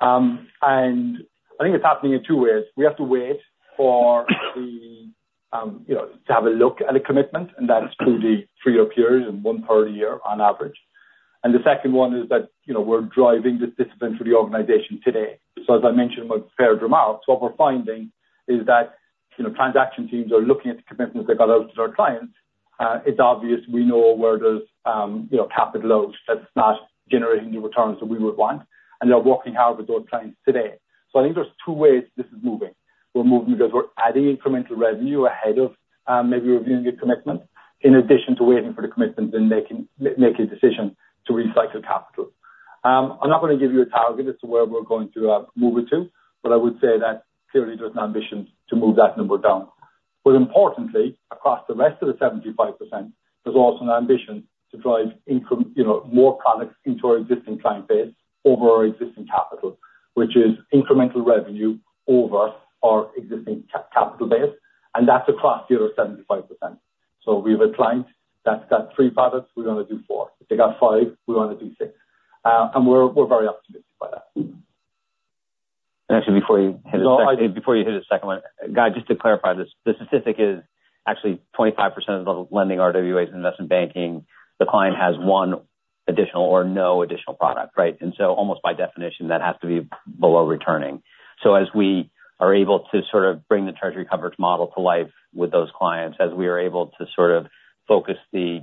Um, and I think it's happening in two ways. We have to wait for the, um, you know, to have a look at a commitment, and that's through the three-year period and one third a year on average. And the second one is that, you know, we're driving discipline through the organization today. So as I mentioned with Fair Dramat, what we're finding is that, you know, transaction teams are looking at the commitments they've got out to their clients. Uh, it's obvious we know where there's, um, you know, capital loads that's not generating the returns that we would want, and they are working hard with those clients today. I think there's two ways this is moving. We're moving because we're adding incremental revenue ahead of maybe reviewing the commitment, in addition to waiting for the commitment, then making a decision to recycle capital. I'm not gonna give you a target as to where we're going to move it to, but I would say that clearly there's an ambition to move that number down. But importantly, across the rest of the 75%, there's also an ambition to drive income, you know, more products into our existing client base over our existing capital, which is incremental revenue over our existing capital base, and that's across the other 75%. We have a client that's got three products, we're gonna do four. If they got five, we're gonna do six. And we're very optimistic by that. Actually, before you hit the second one, Guy, just to clarify this, the statistic is actually 25% of the lending RWAs in investment banking, the client has one additional or no additional product, right? So almost by definition, that has to be below returning. As we are able to sort of bring the treasury coverage model to life with those clients, as we are able to sort of focus the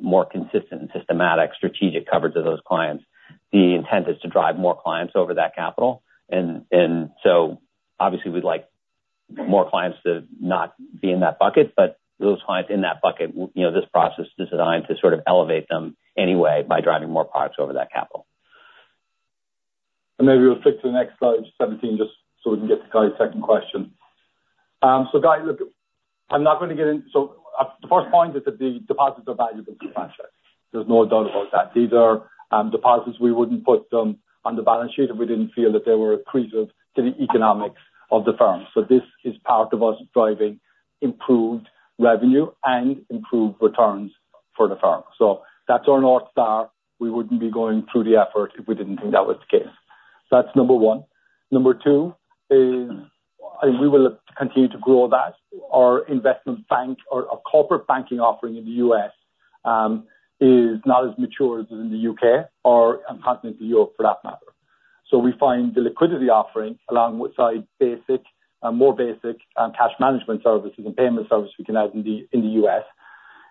more consistent and systematic strategic coverage of those clients, the intent is to drive more clients over that capital. So obviously, we'd like more clients to not be in that bucket, but those clients in that bucket, you know, this process is designed to sort of elevate them anyway by driving more products over that capital. And maybe we'll flip to the next slide 17, just so we can get to Guy's second question. So, Guy, look, I'm not gonna get into... So, the first point is that the deposits are valuable to the franchise. There's no doubt about that. These are deposits we wouldn't put them on the balance sheet if we didn't feel that they were accretive to the economics of the firm. So this is part of us driving improved revenue and improved returns for the firm. So that's our North Star. We wouldn't be going through the effort if we didn't think that was the case. That's number one. Number two is, I think we will continue to grow that. Our investment bank or our corporate banking offering in the U.S. is not as mature as in the U.K. or continental Europe, for that matter. So we find the liquidity offering, alongside basic and more basic cash management services and payment services we can have in the U.S.,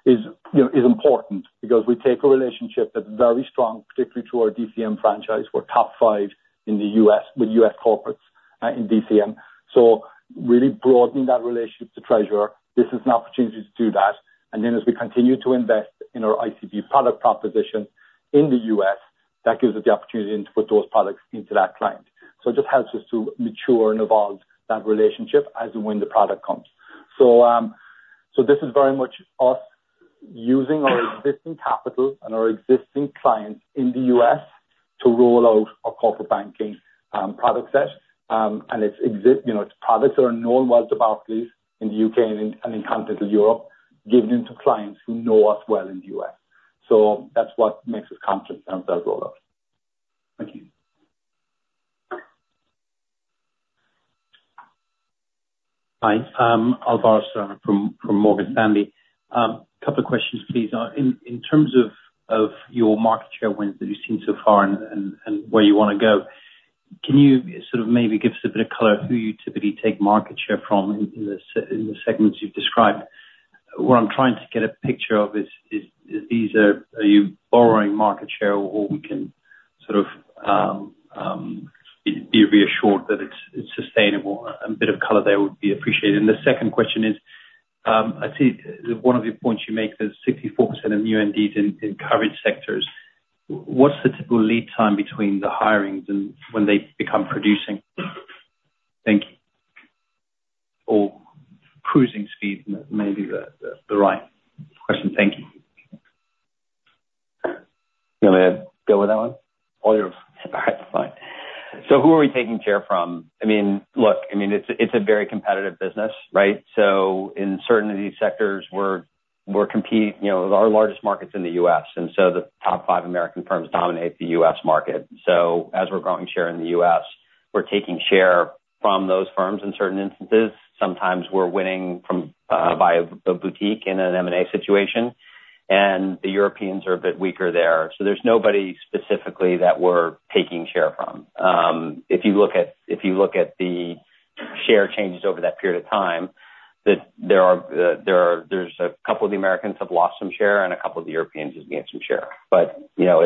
is, you know, is important, because we take a relationship that's very strong, particularly through our DCM franchise. We're top five in the U.S. with U.S. corporates in DCM. So really broadening that relationship to Treasurer, this is an opportunity to do that. And then as we continue to invest in our ICB product proposition in the U.S., that gives us the opportunity to put those products into that client. So it just helps us to mature and evolve that relationship as and when the product comes. So, so this is very much us using our existing capital and our existing clients in the U.S. to roll out a corporate banking product set. You know, its products are known well about this in the U.K. and in continental Europe, giving them to clients who know us well in the U.S. So that's what makes us confident around that rollout. Thank you. Hi, Alvaro Serrano from Morgan Stanley. A couple of questions, please. In terms of your market share wins that you've seen so far and where you wanna go, can you sort of maybe give us a bit of color who you typically take market share from in the segments you've described? What I'm trying to get a picture of is these are... Are you borrowing market share, or we can sort of be reassured that it's sustainable? A bit of color there would be appreciated. And the second question is, I see one of the points you make is 64% of USD in coverage sectors. What's the typical lead time between the hirings and when they become producing? Thank you. Or cruising speed may be the right question. Thank you. You want me to go with that one? All yours. All right, fine. So who are we taking share from? I mean, look, I mean, it's a very competitive business, right? So in certain of these sectors, we're competing, you know, our largest market's in the U.S., and so the top five American firms dominate the U.S. market. So as we're growing share in the U.S., we're taking share from those firms in certain instances. Sometimes we're winning from by a boutique in an M&A situation, and the Europeans are a bit weaker there. So there's nobody specifically that we're taking share from. If you look at the share changes over that period of time, that there are a couple of the Americans have lost some share and a couple of the Europeans have gained some share. But you know,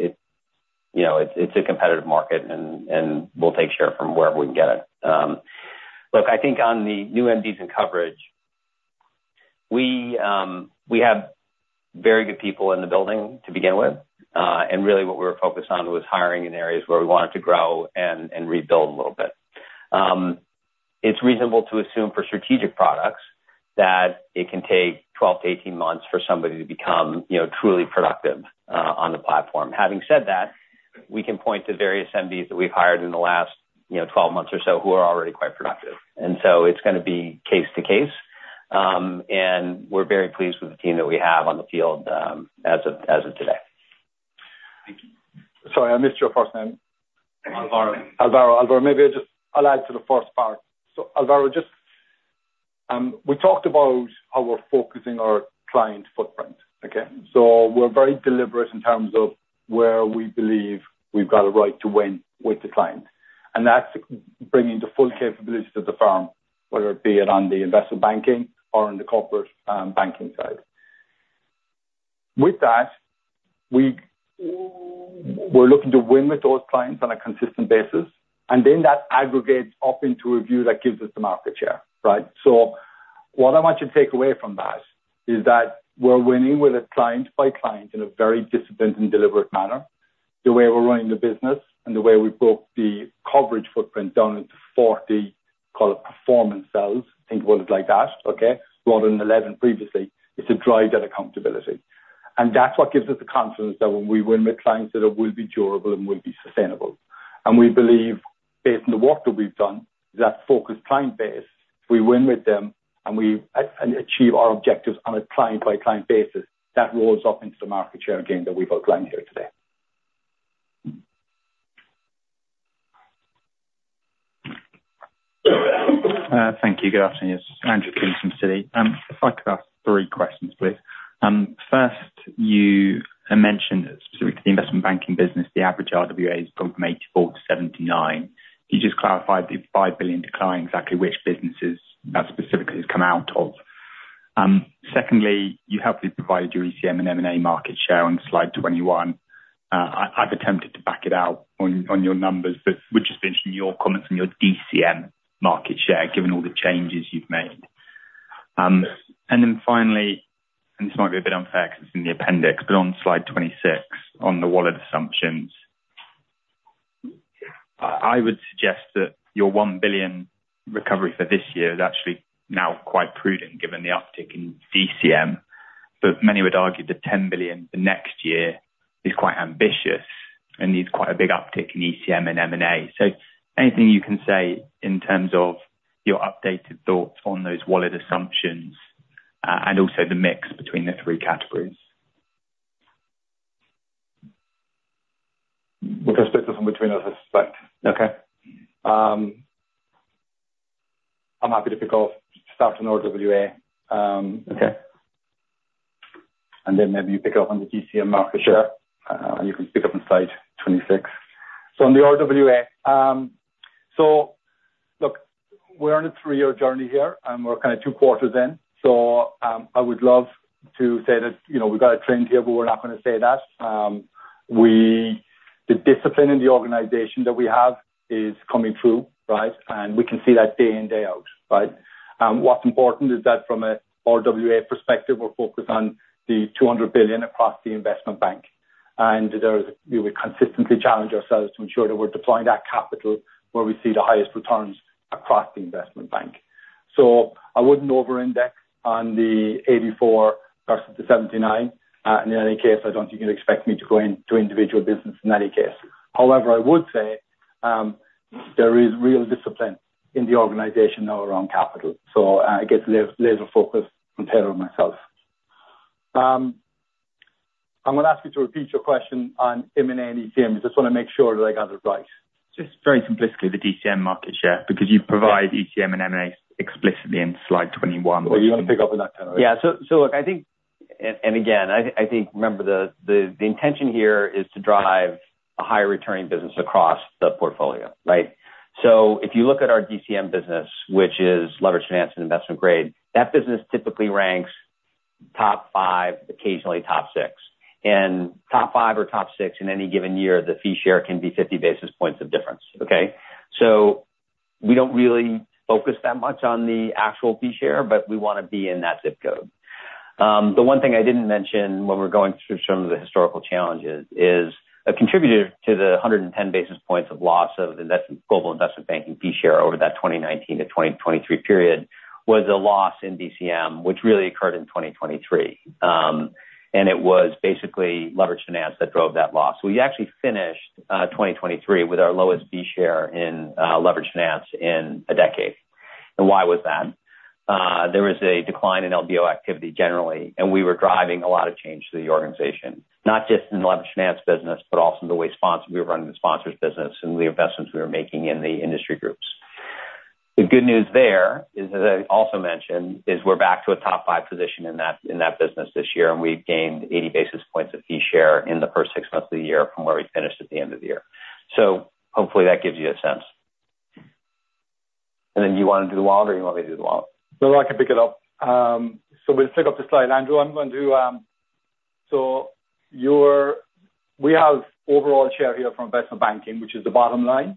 it's a competitive market and we'll take share from wherever we can get it. Look, I think on the new MDs and coverage, we have very good people in the building to begin with. And really what we were focused on was hiring in areas where we wanted to grow and rebuild a little bit. It's reasonable to assume for strategic products, that it can take twelve to eighteen months for somebody to become, you know, truly productive on the platform. Having said that, we can point to various MDs that we've hired in the last, you know, twelve months or so, who are already quite productive. And so it's gonna be case to case. And we're very pleased with the team that we have on the field, as of today. Thank you. Sorry, I missed your first name. Alvaro. Alvaro. Alvaro, maybe I just allude to the first part. So Alvaro, just, we talked about how we're focusing our client footprint, okay? So we're very deliberate in terms of where we believe we've got a right to win with the client, and that's bringing the full capabilities of the firm, whether it be on the investment banking or on the corporate banking side. With that, we're looking to win with those clients on a consistent basis, and then that aggregates up into a view that gives us the market share, right? So what I want you to take away from that is that we're winning with a client by client in a very disciplined and deliberate manner. The way we're running the business, and the way we broke the coverage footprint down into 40, call it performance cells, think of it like that, okay, rather than 11 previously, is to drive that accountability, and that's what gives us the confidence that when we win with clients, that it will be durable and will be sustainable, and we believe, based on the work that we've done, that focused client base, if we win with them, and we achieve our objectives on a client by client basis, that rolls up into the market share gain that we've outlined here today. Thank you. Good afternoon, it's Andrew Coombs from Citi. If I could ask three questions, please. First, you had mentioned specific to the investment banking business, the average RWA has gone from 84 to 79. Can you just clarify the £5 billion decline, exactly which businesses that specifically has come out of? Secondly, you have provided your ECM and M&A market share on slide 21. I've attempted to back it out on your numbers, but would you just mention your comments on your DCM market share, given all the changes you've made? And then finally, and this might be a bit unfair, because it's in the appendix, but on slide 26, on the wallet assumptions, I would suggest that your £1 billion recovery for this year is actually now quite prudent, given the uptick in DCM. But many would argue the 10 billion the next year is quite ambitious and needs quite a big uptick in ECM and M&A. So anything you can say in terms of your updated thoughts on those wallet assumptions, and also the mix between the three categories? We'll split this one between us, I suspect. Okay. I'm happy to kick off, start on RWA. Okay. And then maybe you pick up on the DCM market share, and you can pick up on slide 26. So on the RWA, so look, we're on a three-year journey here, and we're kind of two quarters in, so, I would love to say that, you know, we've got a trend here, but we're not gonna say that. The discipline in the organization that we have is coming through, right? And we can see that day in, day out, right? What's important is that from a RWA perspective, we're focused on the 200 billion across the investment bank, and there is, we would consistently challenge ourselves to ensure that we're deploying that capital, where we see the highest returns across the investment bank. So I wouldn't over-index on the eighty-four versus the seventy-nine. In any case, I don't think you'd expect me to go into individual business in any case. However, I would say there is real discipline in the organization now around capital, so it gets laser focused on myself. I'm gonna ask you to repeat your question on M&A and ECM. I just wanna make sure that I got it right. Just very simplistically, the DCM market share, because you provide ECM and M&A explicitly in slide 21. Well, you want to pick up on that, Taylor? So look, I think. And again, I think remember, the intention here is to drive a higher returning business across the portfolio, right? So if you look at our DCM business, which is leveraged finance and investment grade, that business typically ranks top five, occasionally top six. And top five or top six in any given year, the fee share can be 50 basis points of difference, okay? So we don't really focus that much on the actual fee share, but we wanna be in that zip code. The one thing I didn't mention when we're going through some of the historical challenges is, a contributor to the 110 basis points of loss of global investment banking fee share over that 2019 to 2023 period, was a loss in DCM, which really occurred in 2023. And it was basically leveraged finance that drove that loss. We actually finished 2023 with our lowest fee share in leveraged finance in a decade. And why was that? There was a decline in LBO activity generally, and we were driving a lot of change through the organization, not just in the leverage finance business, but also the way sponsor- we were running the sponsors business, and the investments we were making in the industry groups. The good news there is that I also mentioned; we're back to a top five position in that business this year, and we've gained 80 basis points of fee share in the first six months of the year from where we finished at the end of the year. So hopefully that gives you a sense. And then do you wanna do the wallet or you want me to do the wallet? No, I can pick it up. So we'll pick up the slide, Andrew. I'm going to, so we have overall share here from investment banking, which is the bottom line.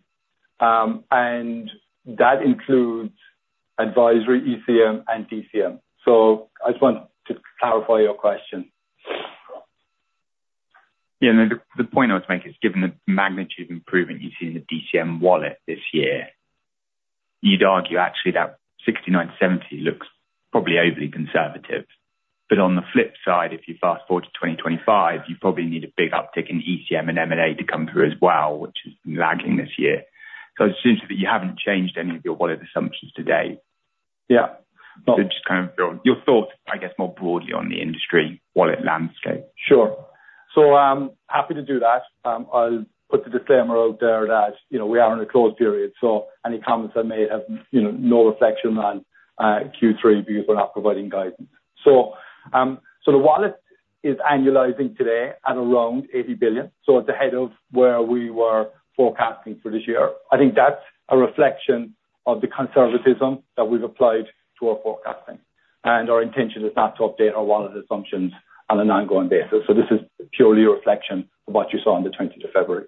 And that includes advisory, ECM and DCM. So I just want to clarify your question. Yeah, no, the point I was making is, given the magnitude of improvement you've seen in the DCM wallet this year, you'd argue actually that 69%-70% looks probably overly conservative. But on the flip side, if you fast forward to 2025, you probably need a big uptick in ECM and M&A to come through as well, which is lagging this year. So it seems that you haven't changed any of your wallet assumptions to date. Yeah. So just kind of your thoughts, I guess, more broadly on the industry wallet landscape. Sure. So I'm happy to do that. I'll put the disclaimer out there that, you know, we are in a closed period, so any comments I make have, you know, no reflection on Q3, because we're not providing guidance. So the wallet is annualizing today at around $80 billion. So it's ahead of where we were forecasting for this year. I think that's a reflection of the conservatism that we've applied to our forecasting, and our intention is not to update our wallet assumptions on an ongoing basis. So this is purely a reflection of what you saw on the twentieth of February.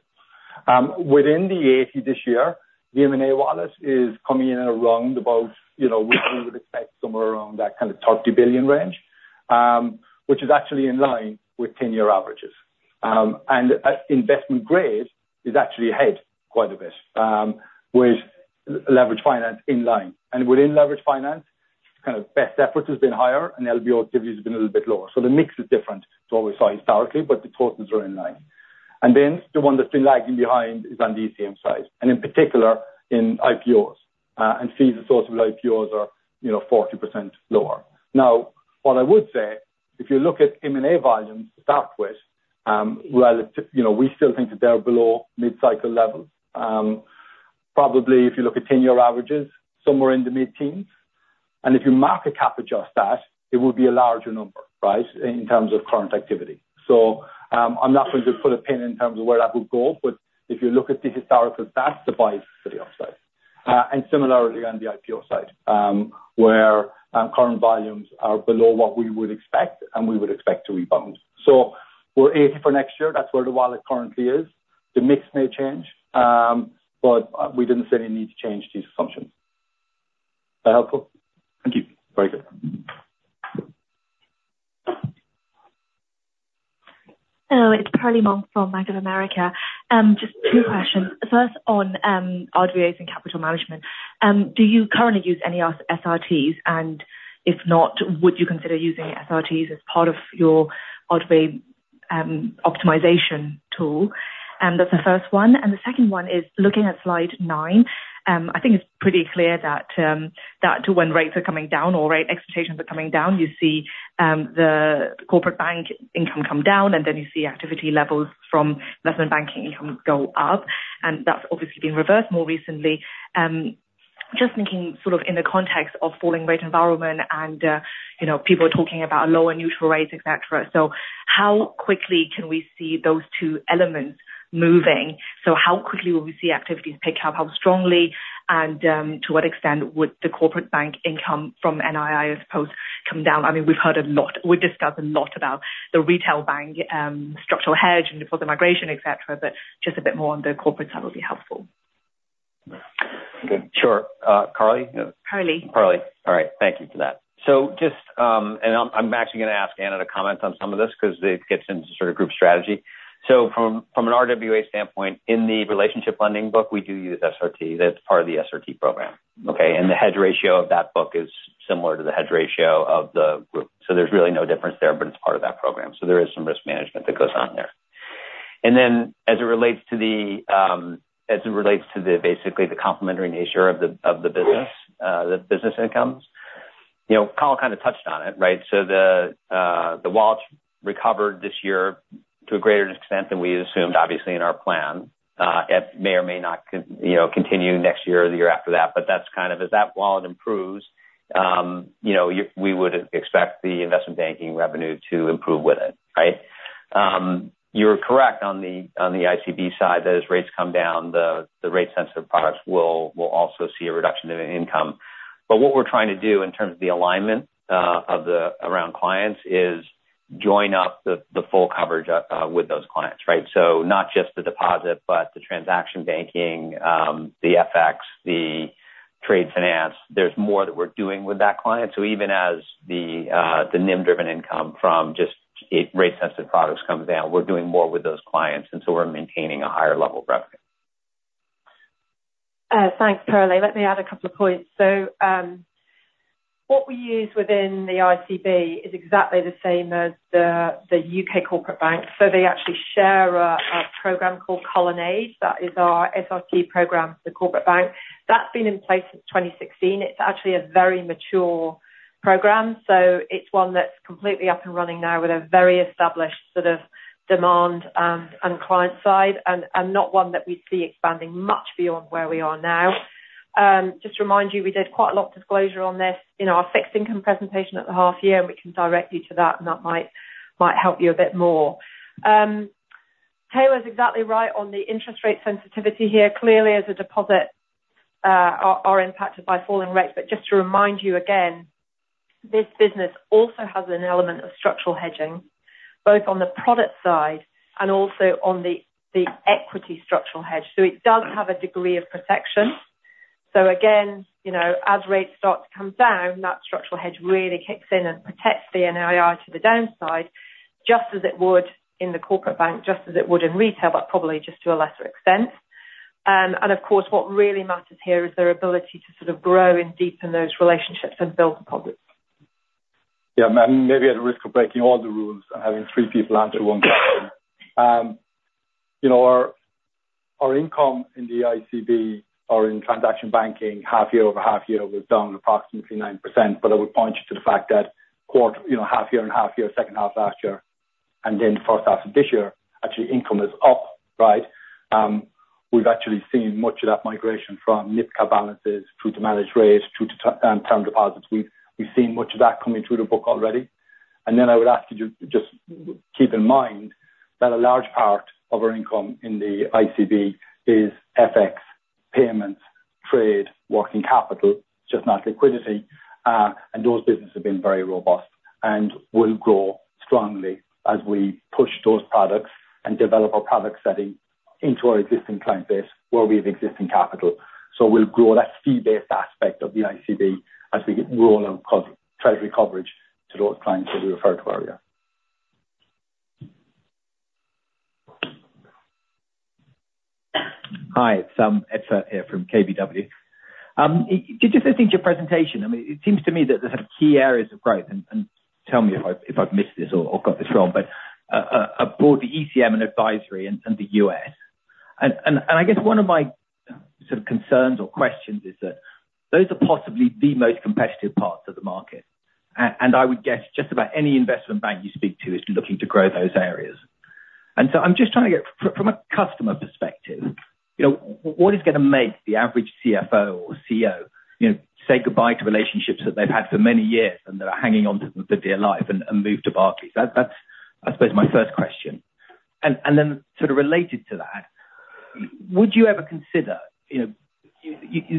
Within the IB this year, the M&A wallet is coming in at around about, you know, we would expect somewhere around that kind of $30 billion range, which is actually in line with ten-year averages. And investment grade is actually ahead quite a bit, with leveraged finance in line. And within leveraged finance, kind of best efforts has been higher and LBO activity has been a little bit lower. So the mix is different to what we saw historically, but the totals are in line. And then the one that's been lagging behind is on the ECM side, and in particular in IPOs, and fees from IPOs are, you know, 40% lower. Now, what I would say, if you look at M&A volumes to start with, while it, you know, we still think that they're below mid-cycle levels, probably if you look at ten-year averages, somewhere in the mid-teens, and if you market cap adjust that, it will be a larger number, right? In terms of current activity. So, I'm not going to just put a pin in terms of where that would go, but if you look at the historical, that's the buy for the upside and similarly on the IPO side, where current volumes are below what we would expect, and we would expect to rebound, so we're 80% for next year. That's where the wallet currently is. The mix may change, but we didn't see any need to change these assumptions. Is that helpful? Thank you. Very good. Hello, it's Carly Monk from Bank of America. Just two questions. First on, RWA and capital management, do you currently use any SRTs? And if not, would you consider using SRTs as part of your RWA, optimization tool? And that's the first one, and the second one is looking at slide nine. I think it's pretty clear that too when rates are coming down or rate expectations are coming down, you see, the corporate bank income come down, and then you see activity levels from investment banking income go up, and that's obviously been reversed more recently. Just thinking sort of in the context of falling rate environment and, you know, people are talking about lower neutral rates, et cetera. So how quickly can we see those two elements moving? So how quickly will we see activities pick up? How strongly, and, to what extent would the corporate bank income from NII, I suppose, come down? I mean, we've heard a lot, we've discussed a lot about the retail bank, structural hedge and for the migration, et cetera, but just a bit more on the corporate side will be helpful. Sure. Carly? Carly. Carly. All right. Thank you for that. So just, and I'm actually gonna ask Anna to comment on some of this, 'cause it gets into sort of group strategy. From an RWA standpoint, in the relationship lending book, we do use SRT. That's part of the SRT program, okay? And the hedge ratio of that book is similar to the hedge ratio of the group. So there's really no difference there, but it's part of that program, so there is some risk management that goes on there. And then as it relates to the, as it relates to basically the complementary nature of the, of the business, the business incomes, you know, Carl kind of touched on it, right? The wallet recovered this year to a greater extent than we assumed, obviously, in our plan. It may or may not, you know, continue next year or the year after that, but that's kind of. As that wallet improves, you know, we would expect the investment banking revenue to improve with it, right? You're correct on the ICB side, as rates come down, the rate-sensitive products will also see a reduction in income. But what we're trying to do in terms of the alignment around clients is join up the full coverage with those clients, right? So not just the deposit, but the transaction banking, the FX, the trade finance. There's more that we're doing with that client. So even as the NIM driven income from just rate sensitive products comes down, we're doing more with those clients, and so we're maintaining a higher level of revenue. Thanks, Carly. Let me add a couple of points. So, what we use within the ICB is exactly the same as the UK corporate bank. So they actually share a program called Colonnade. That is our SRT program for the corporate bank. That's been in place since 2016. It's actually a very mature program, so it's one that's completely up and running now with a very established sort of demand and client side, and not one that we'd see expanding much beyond where we are now. Just to remind you, we did quite a lot of disclosure on this in our fixed income presentation at the half year, and we can direct you to that, and that might help you a bit more. Taylor is exactly right on the interest rate sensitivity here. Clearly, as a deposit, are impacted by falling rates. But just to remind you again, this business also has an element of structural hedging, both on the product side and also on the equity structural hedge, so it does have a degree of protection. So again, you know, as rates start to come down, that structural hedge really kicks in and protects the NII to the downside, just as it would in the corporate bank, just as it would in retail, but probably just to a lesser extent, and of course, what really matters here is their ability to sort of grow and deepen those relationships and build deposits. Yeah, and maybe at the risk of breaking all the rules and having three people answer one question. You know, our income in the ICB or in transaction banking, half year over half year, was down approximately 9%, but I would point you to the fact that you know, half year and half year, second half last year, and then the first half of this year, actually income is up, right? We've actually seen much of that migration from NIBCA balances through to managed rates, through to term deposits. We've seen much of that coming through the book already. Then I would ask you to just keep in mind that a large part of our income in the ICB is FX payments, trade, working capital, just not liquidity. And those businesses have been very robust and will grow strongly as we push those products and develop our product setting into our existing client base, where we have existing capital. So we'll grow that fee-based aspect of the ICB as we roll out corporate treasury coverage to those clients that we referred to earlier. Hi, it's Edward Firth here from KBW. Could you just repeat your presentation? I mean, it seems to me that the sort of key areas of growth, and tell me if I've missed this or got this wrong, but abroad, the ECM and advisory and the US. I guess one of my sort of concerns or questions is that those are possibly the most competitive parts of the market, and I would guess just about any investment bank you speak to is looking to grow those areas. And so I'm just trying to get from a customer perspective, you know, what is gonna make the average CFO or CEO, you know, say goodbye to relationships that they've had for many years, and they are hanging on to them for dear life and move to Barclays? That's my first question. And then sort of related to that, would you ever consider, you know,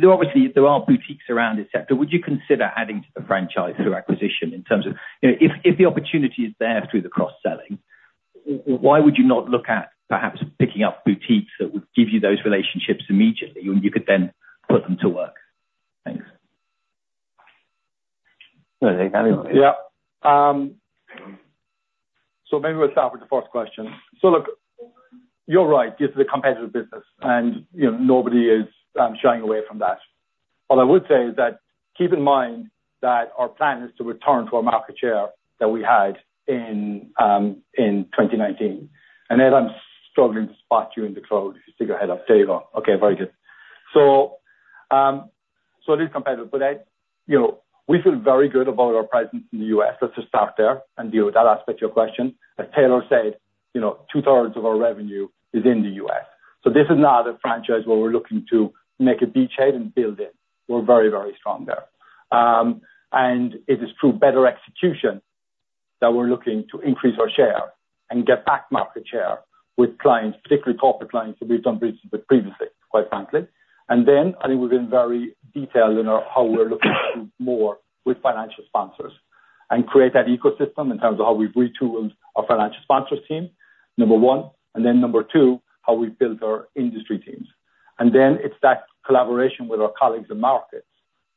there are obviously boutiques around this sector. Would you consider adding to the franchise through acquisition in terms of... You know, if the opportunity is there through the cross-selling, why would you not look at perhaps picking up boutiques that would give you those relationships immediately, and you could then put them to work? Thanks. Yeah. So maybe we'll start with the first question. So look, you're right, this is a competitive business, and, you know, nobody is shying away from that. What I would say is that, keep in mind that our plan is to return to our market share that we had in 2019. And Ed, I'm struggling to spot you in the crowd. If you stick your head up. There you are. Okay, very good. So, so it is competitive, but you know, we feel very good about our presence in the US. Let's just start there and deal with that aspect of your question. As Taylor said, you know, two thirds of our revenue is in the US, so this is not a franchise where we're looking to make a beachhead and build it. We're very, very strong there. And it is through better execution that we're looking to increase our share and get back market share with clients, particularly corporate clients, that we've done business with previously, quite frankly. And then, I think we've been very detailed in our how we're looking to do more with financial sponsors, and create that ecosystem in terms of how we've retooled our financial sponsors team, number one, and then number two, how we've built our industry teams. And then it's that collaboration with our colleagues in markets,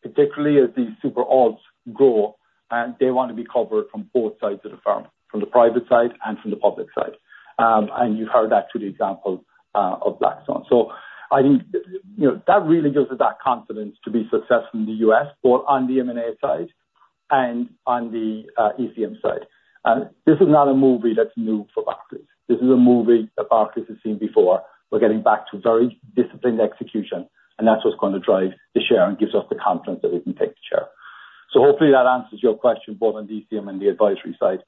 particularly as these sovereigns grow, and they want to be covered from both sides of the firm, from the private side and from the public side. And you heard that through the example of Blackstone. So I think, you know, that really gives us that confidence to be successful in the U.S., both on the M&A side and on the ECM side. And this is not a movie that's new for Barclays. This is a movie that Barclays has seen before. We're getting back to very disciplined execution, and that's what's going to drive the share and gives us the confidence that we can take the share. So hopefully that answers your question, both on ECM and the advisory side.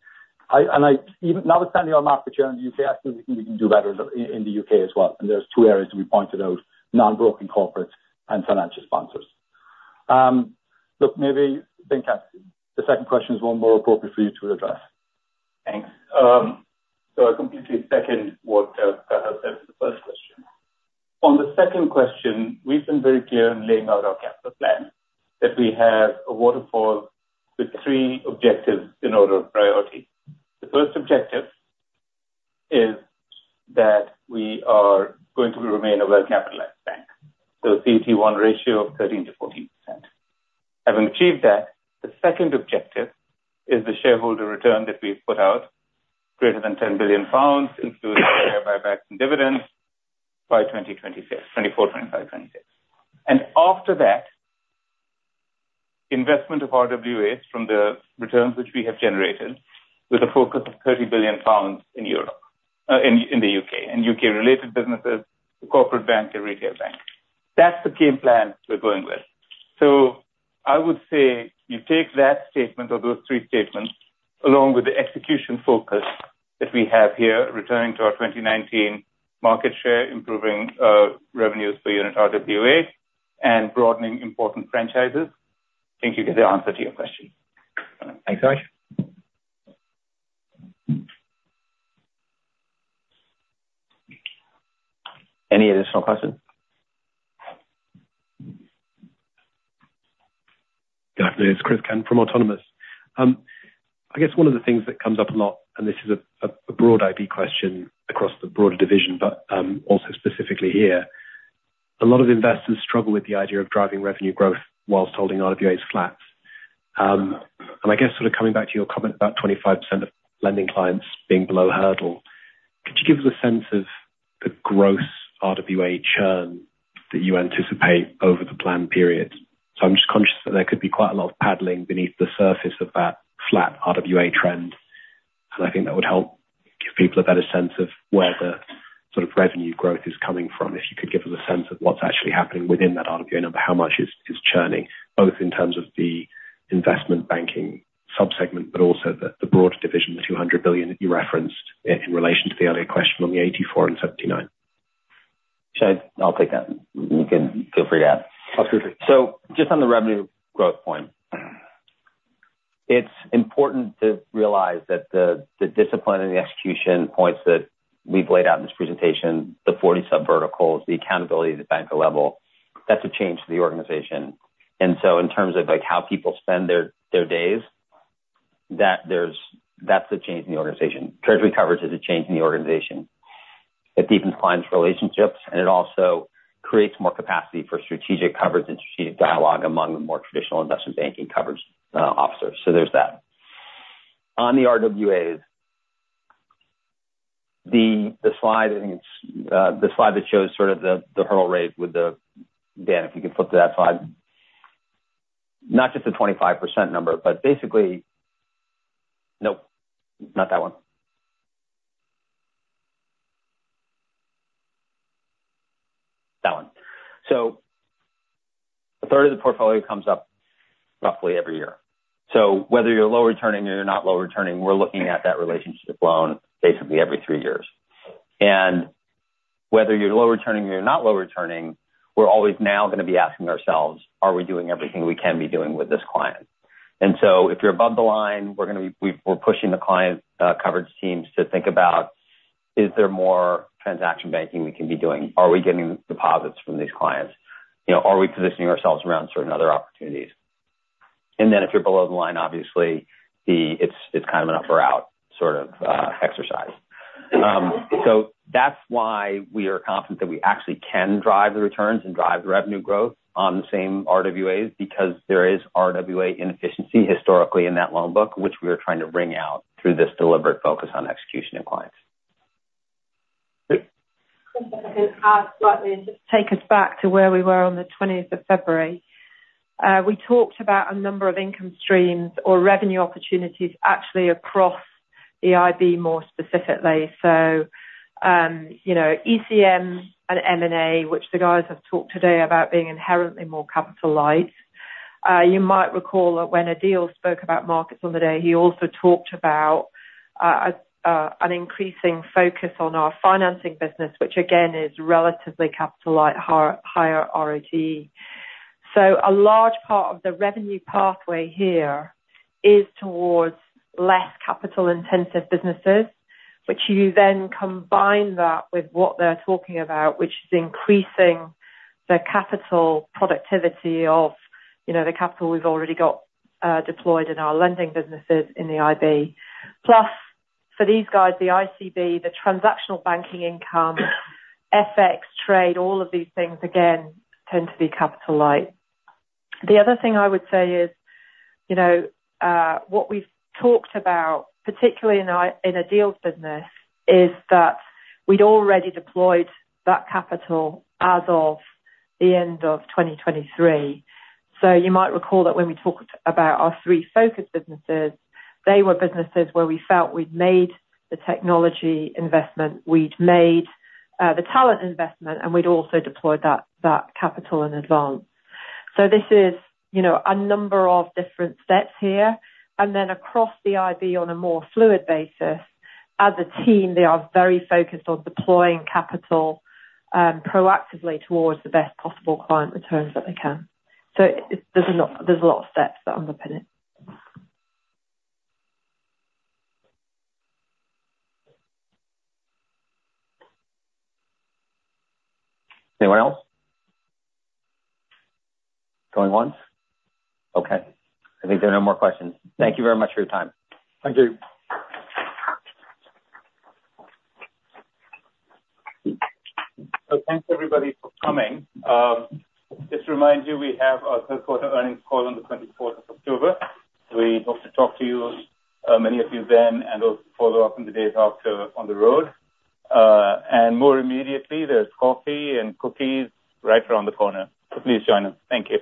And I even notwithstanding our market share in the U.K., I think we can do better in the U.K. as well, and there's two areas that we pointed out, non-broking corporates and financial sponsors. Look, maybe then, Catherine, the second question is one more appropriate for you to address. Thanks. So I completely second what Carlos said to the first question. On the second question, we've been very clear in laying out our capital plan, that we have a waterfall with three objectives in order of priority. The first objective is that we are going to remain a well-capitalized bank, so a CET1 ratio of 13%-14%. Having achieved that, the second objective is the shareholder return that we've put out, greater than 10 billion pounds, including share buybacks and dividends by 2026, 2024, 2025, 2026. And after that, investment of RWAs from the returns which we have generated, with a focus of 30 billion pounds in Europe, in the U.K., and U.K. related businesses, the corporate bank and retail bank. That's the game plan we're going with. I would say you take that statement, or those three statements, along with the execution focus that we have here, returning to our 2019 market share, improving revenues per unit RWA, and broadening important franchises. I think you get the answer to your question. Thanks so much. Any additional questions? Good afternoon, it's Christopher Cant from Autonomous Research. I guess one of the things that comes up a lot, and this is a broad IB question across the broader division, but also specifically here, a lot of investors struggle with the idea of driving revenue growth whilst holding RWAs flat, and I guess sort of coming back to your comment about 25% of lending clients being below hurdle, could you give us a sense of the gross RWA churn that you anticipate over the plan period? So I'm just conscious that there could be quite a lot of paddling beneath the surface of that flat RWA trend, and I think that would help give people a better sense of where the sort of revenue growth is coming from, if you could give us a sense of what's actually happening within that RWA number. How much is churning, both in terms of the investment banking sub-segment, but also the broader division, the two hundred billion that you referenced in relation to the earlier question on the eighty-four and seventy-nine? Sure, I'll take that. You can feel free to add. Oh, sure, sure. So just on the revenue growth point, it's important to realize that the discipline and the execution points that we've laid out in this presentation, the 40 sub-verticals, the accountability at the banker level, that's a change to the organization. And so in terms of, like, how people spend their days, that's a change in the organization. Treasury coverage is a change in the organization. It deepens clients' relationships, and it also creates more capacity for strategic coverage and strategic dialogue among the more traditional investment banking coverage officers. So there's that. On the RWAs, the slide, I think it's the slide that shows sort of the hurdle rate with the... Dan, if you could flip to that slide. Not just the 25% number, but basically... Nope, not that one. That one. So a third of the portfolio comes up roughly every year. So whether you're low returning or you're not low returning, we're looking at that relationship loan basically every three years. And whether you're low returning or you're not low returning, we're always now gonna be asking ourselves, "Are we doing everything we can be doing with this client?" And so if you're above the line, we're gonna be pushing the client coverage teams to think about, is there more transaction banking we can be doing? Are we getting deposits from these clients? You know, are we positioning ourselves around certain other opportunities? And then if you're below the line, obviously, it's kind of an up or out sort of exercise. That's why we are confident that we actually can drive the returns and drive the revenue growth on the same RWAs, because there is RWA inefficiency historically in that loan book, which we are trying to wring out through this deliberate focus on execution and clients. Great. Slightly, just take us back to where we were on the twentieth of February. We talked about a number of income streams or revenue opportunities actually across the IB more specifically. So, you know, ECM and M&A, which the guys have talked today about being inherently more capital light. You might recall that when Adeel spoke about markets on the day, he also talked about, an increasing focus on our financing business, which again, is relatively capital light, higher RoC. So a large part of the revenue pathway here is towards less capital-intensive businesses, which you then combine that with what they're talking about, which is increasing the capital productivity of, you know, the capital we've already got, deployed in our lending businesses in the IB. Plus, for these guys, the ICB, the transactional banking income, FX, trade, all of these things, again, tend to be capital light. The other thing I would say is, you know, what we've talked about, particularly in our, in Adeel's business, is that we'd already deployed that capital as of the end of 2023. So you might recall that when we talked about our three focus businesses, they were businesses where we felt we'd made the technology investment, we'd made the talent investment, and we'd also deployed that capital in advance. So this is, you know, a number of different steps here. And then across the IB on a more fluid basis, as a team, they are very focused on deploying capital proactively towards the best possible client returns that they can. So there's a lot of steps that underpin it. Anyone else? Going once. Okay, I think there are no more questions. Thank you very much for your time. Thank you. So thanks, everybody, for coming. Just to remind you, we have our third quarter earnings call on the twenty-fourth of October. We hope to talk to you, many of you then, and we'll follow up in the days after on the road. And more immediately, there's coffee and cookies right around the corner, so please join us. Thank you.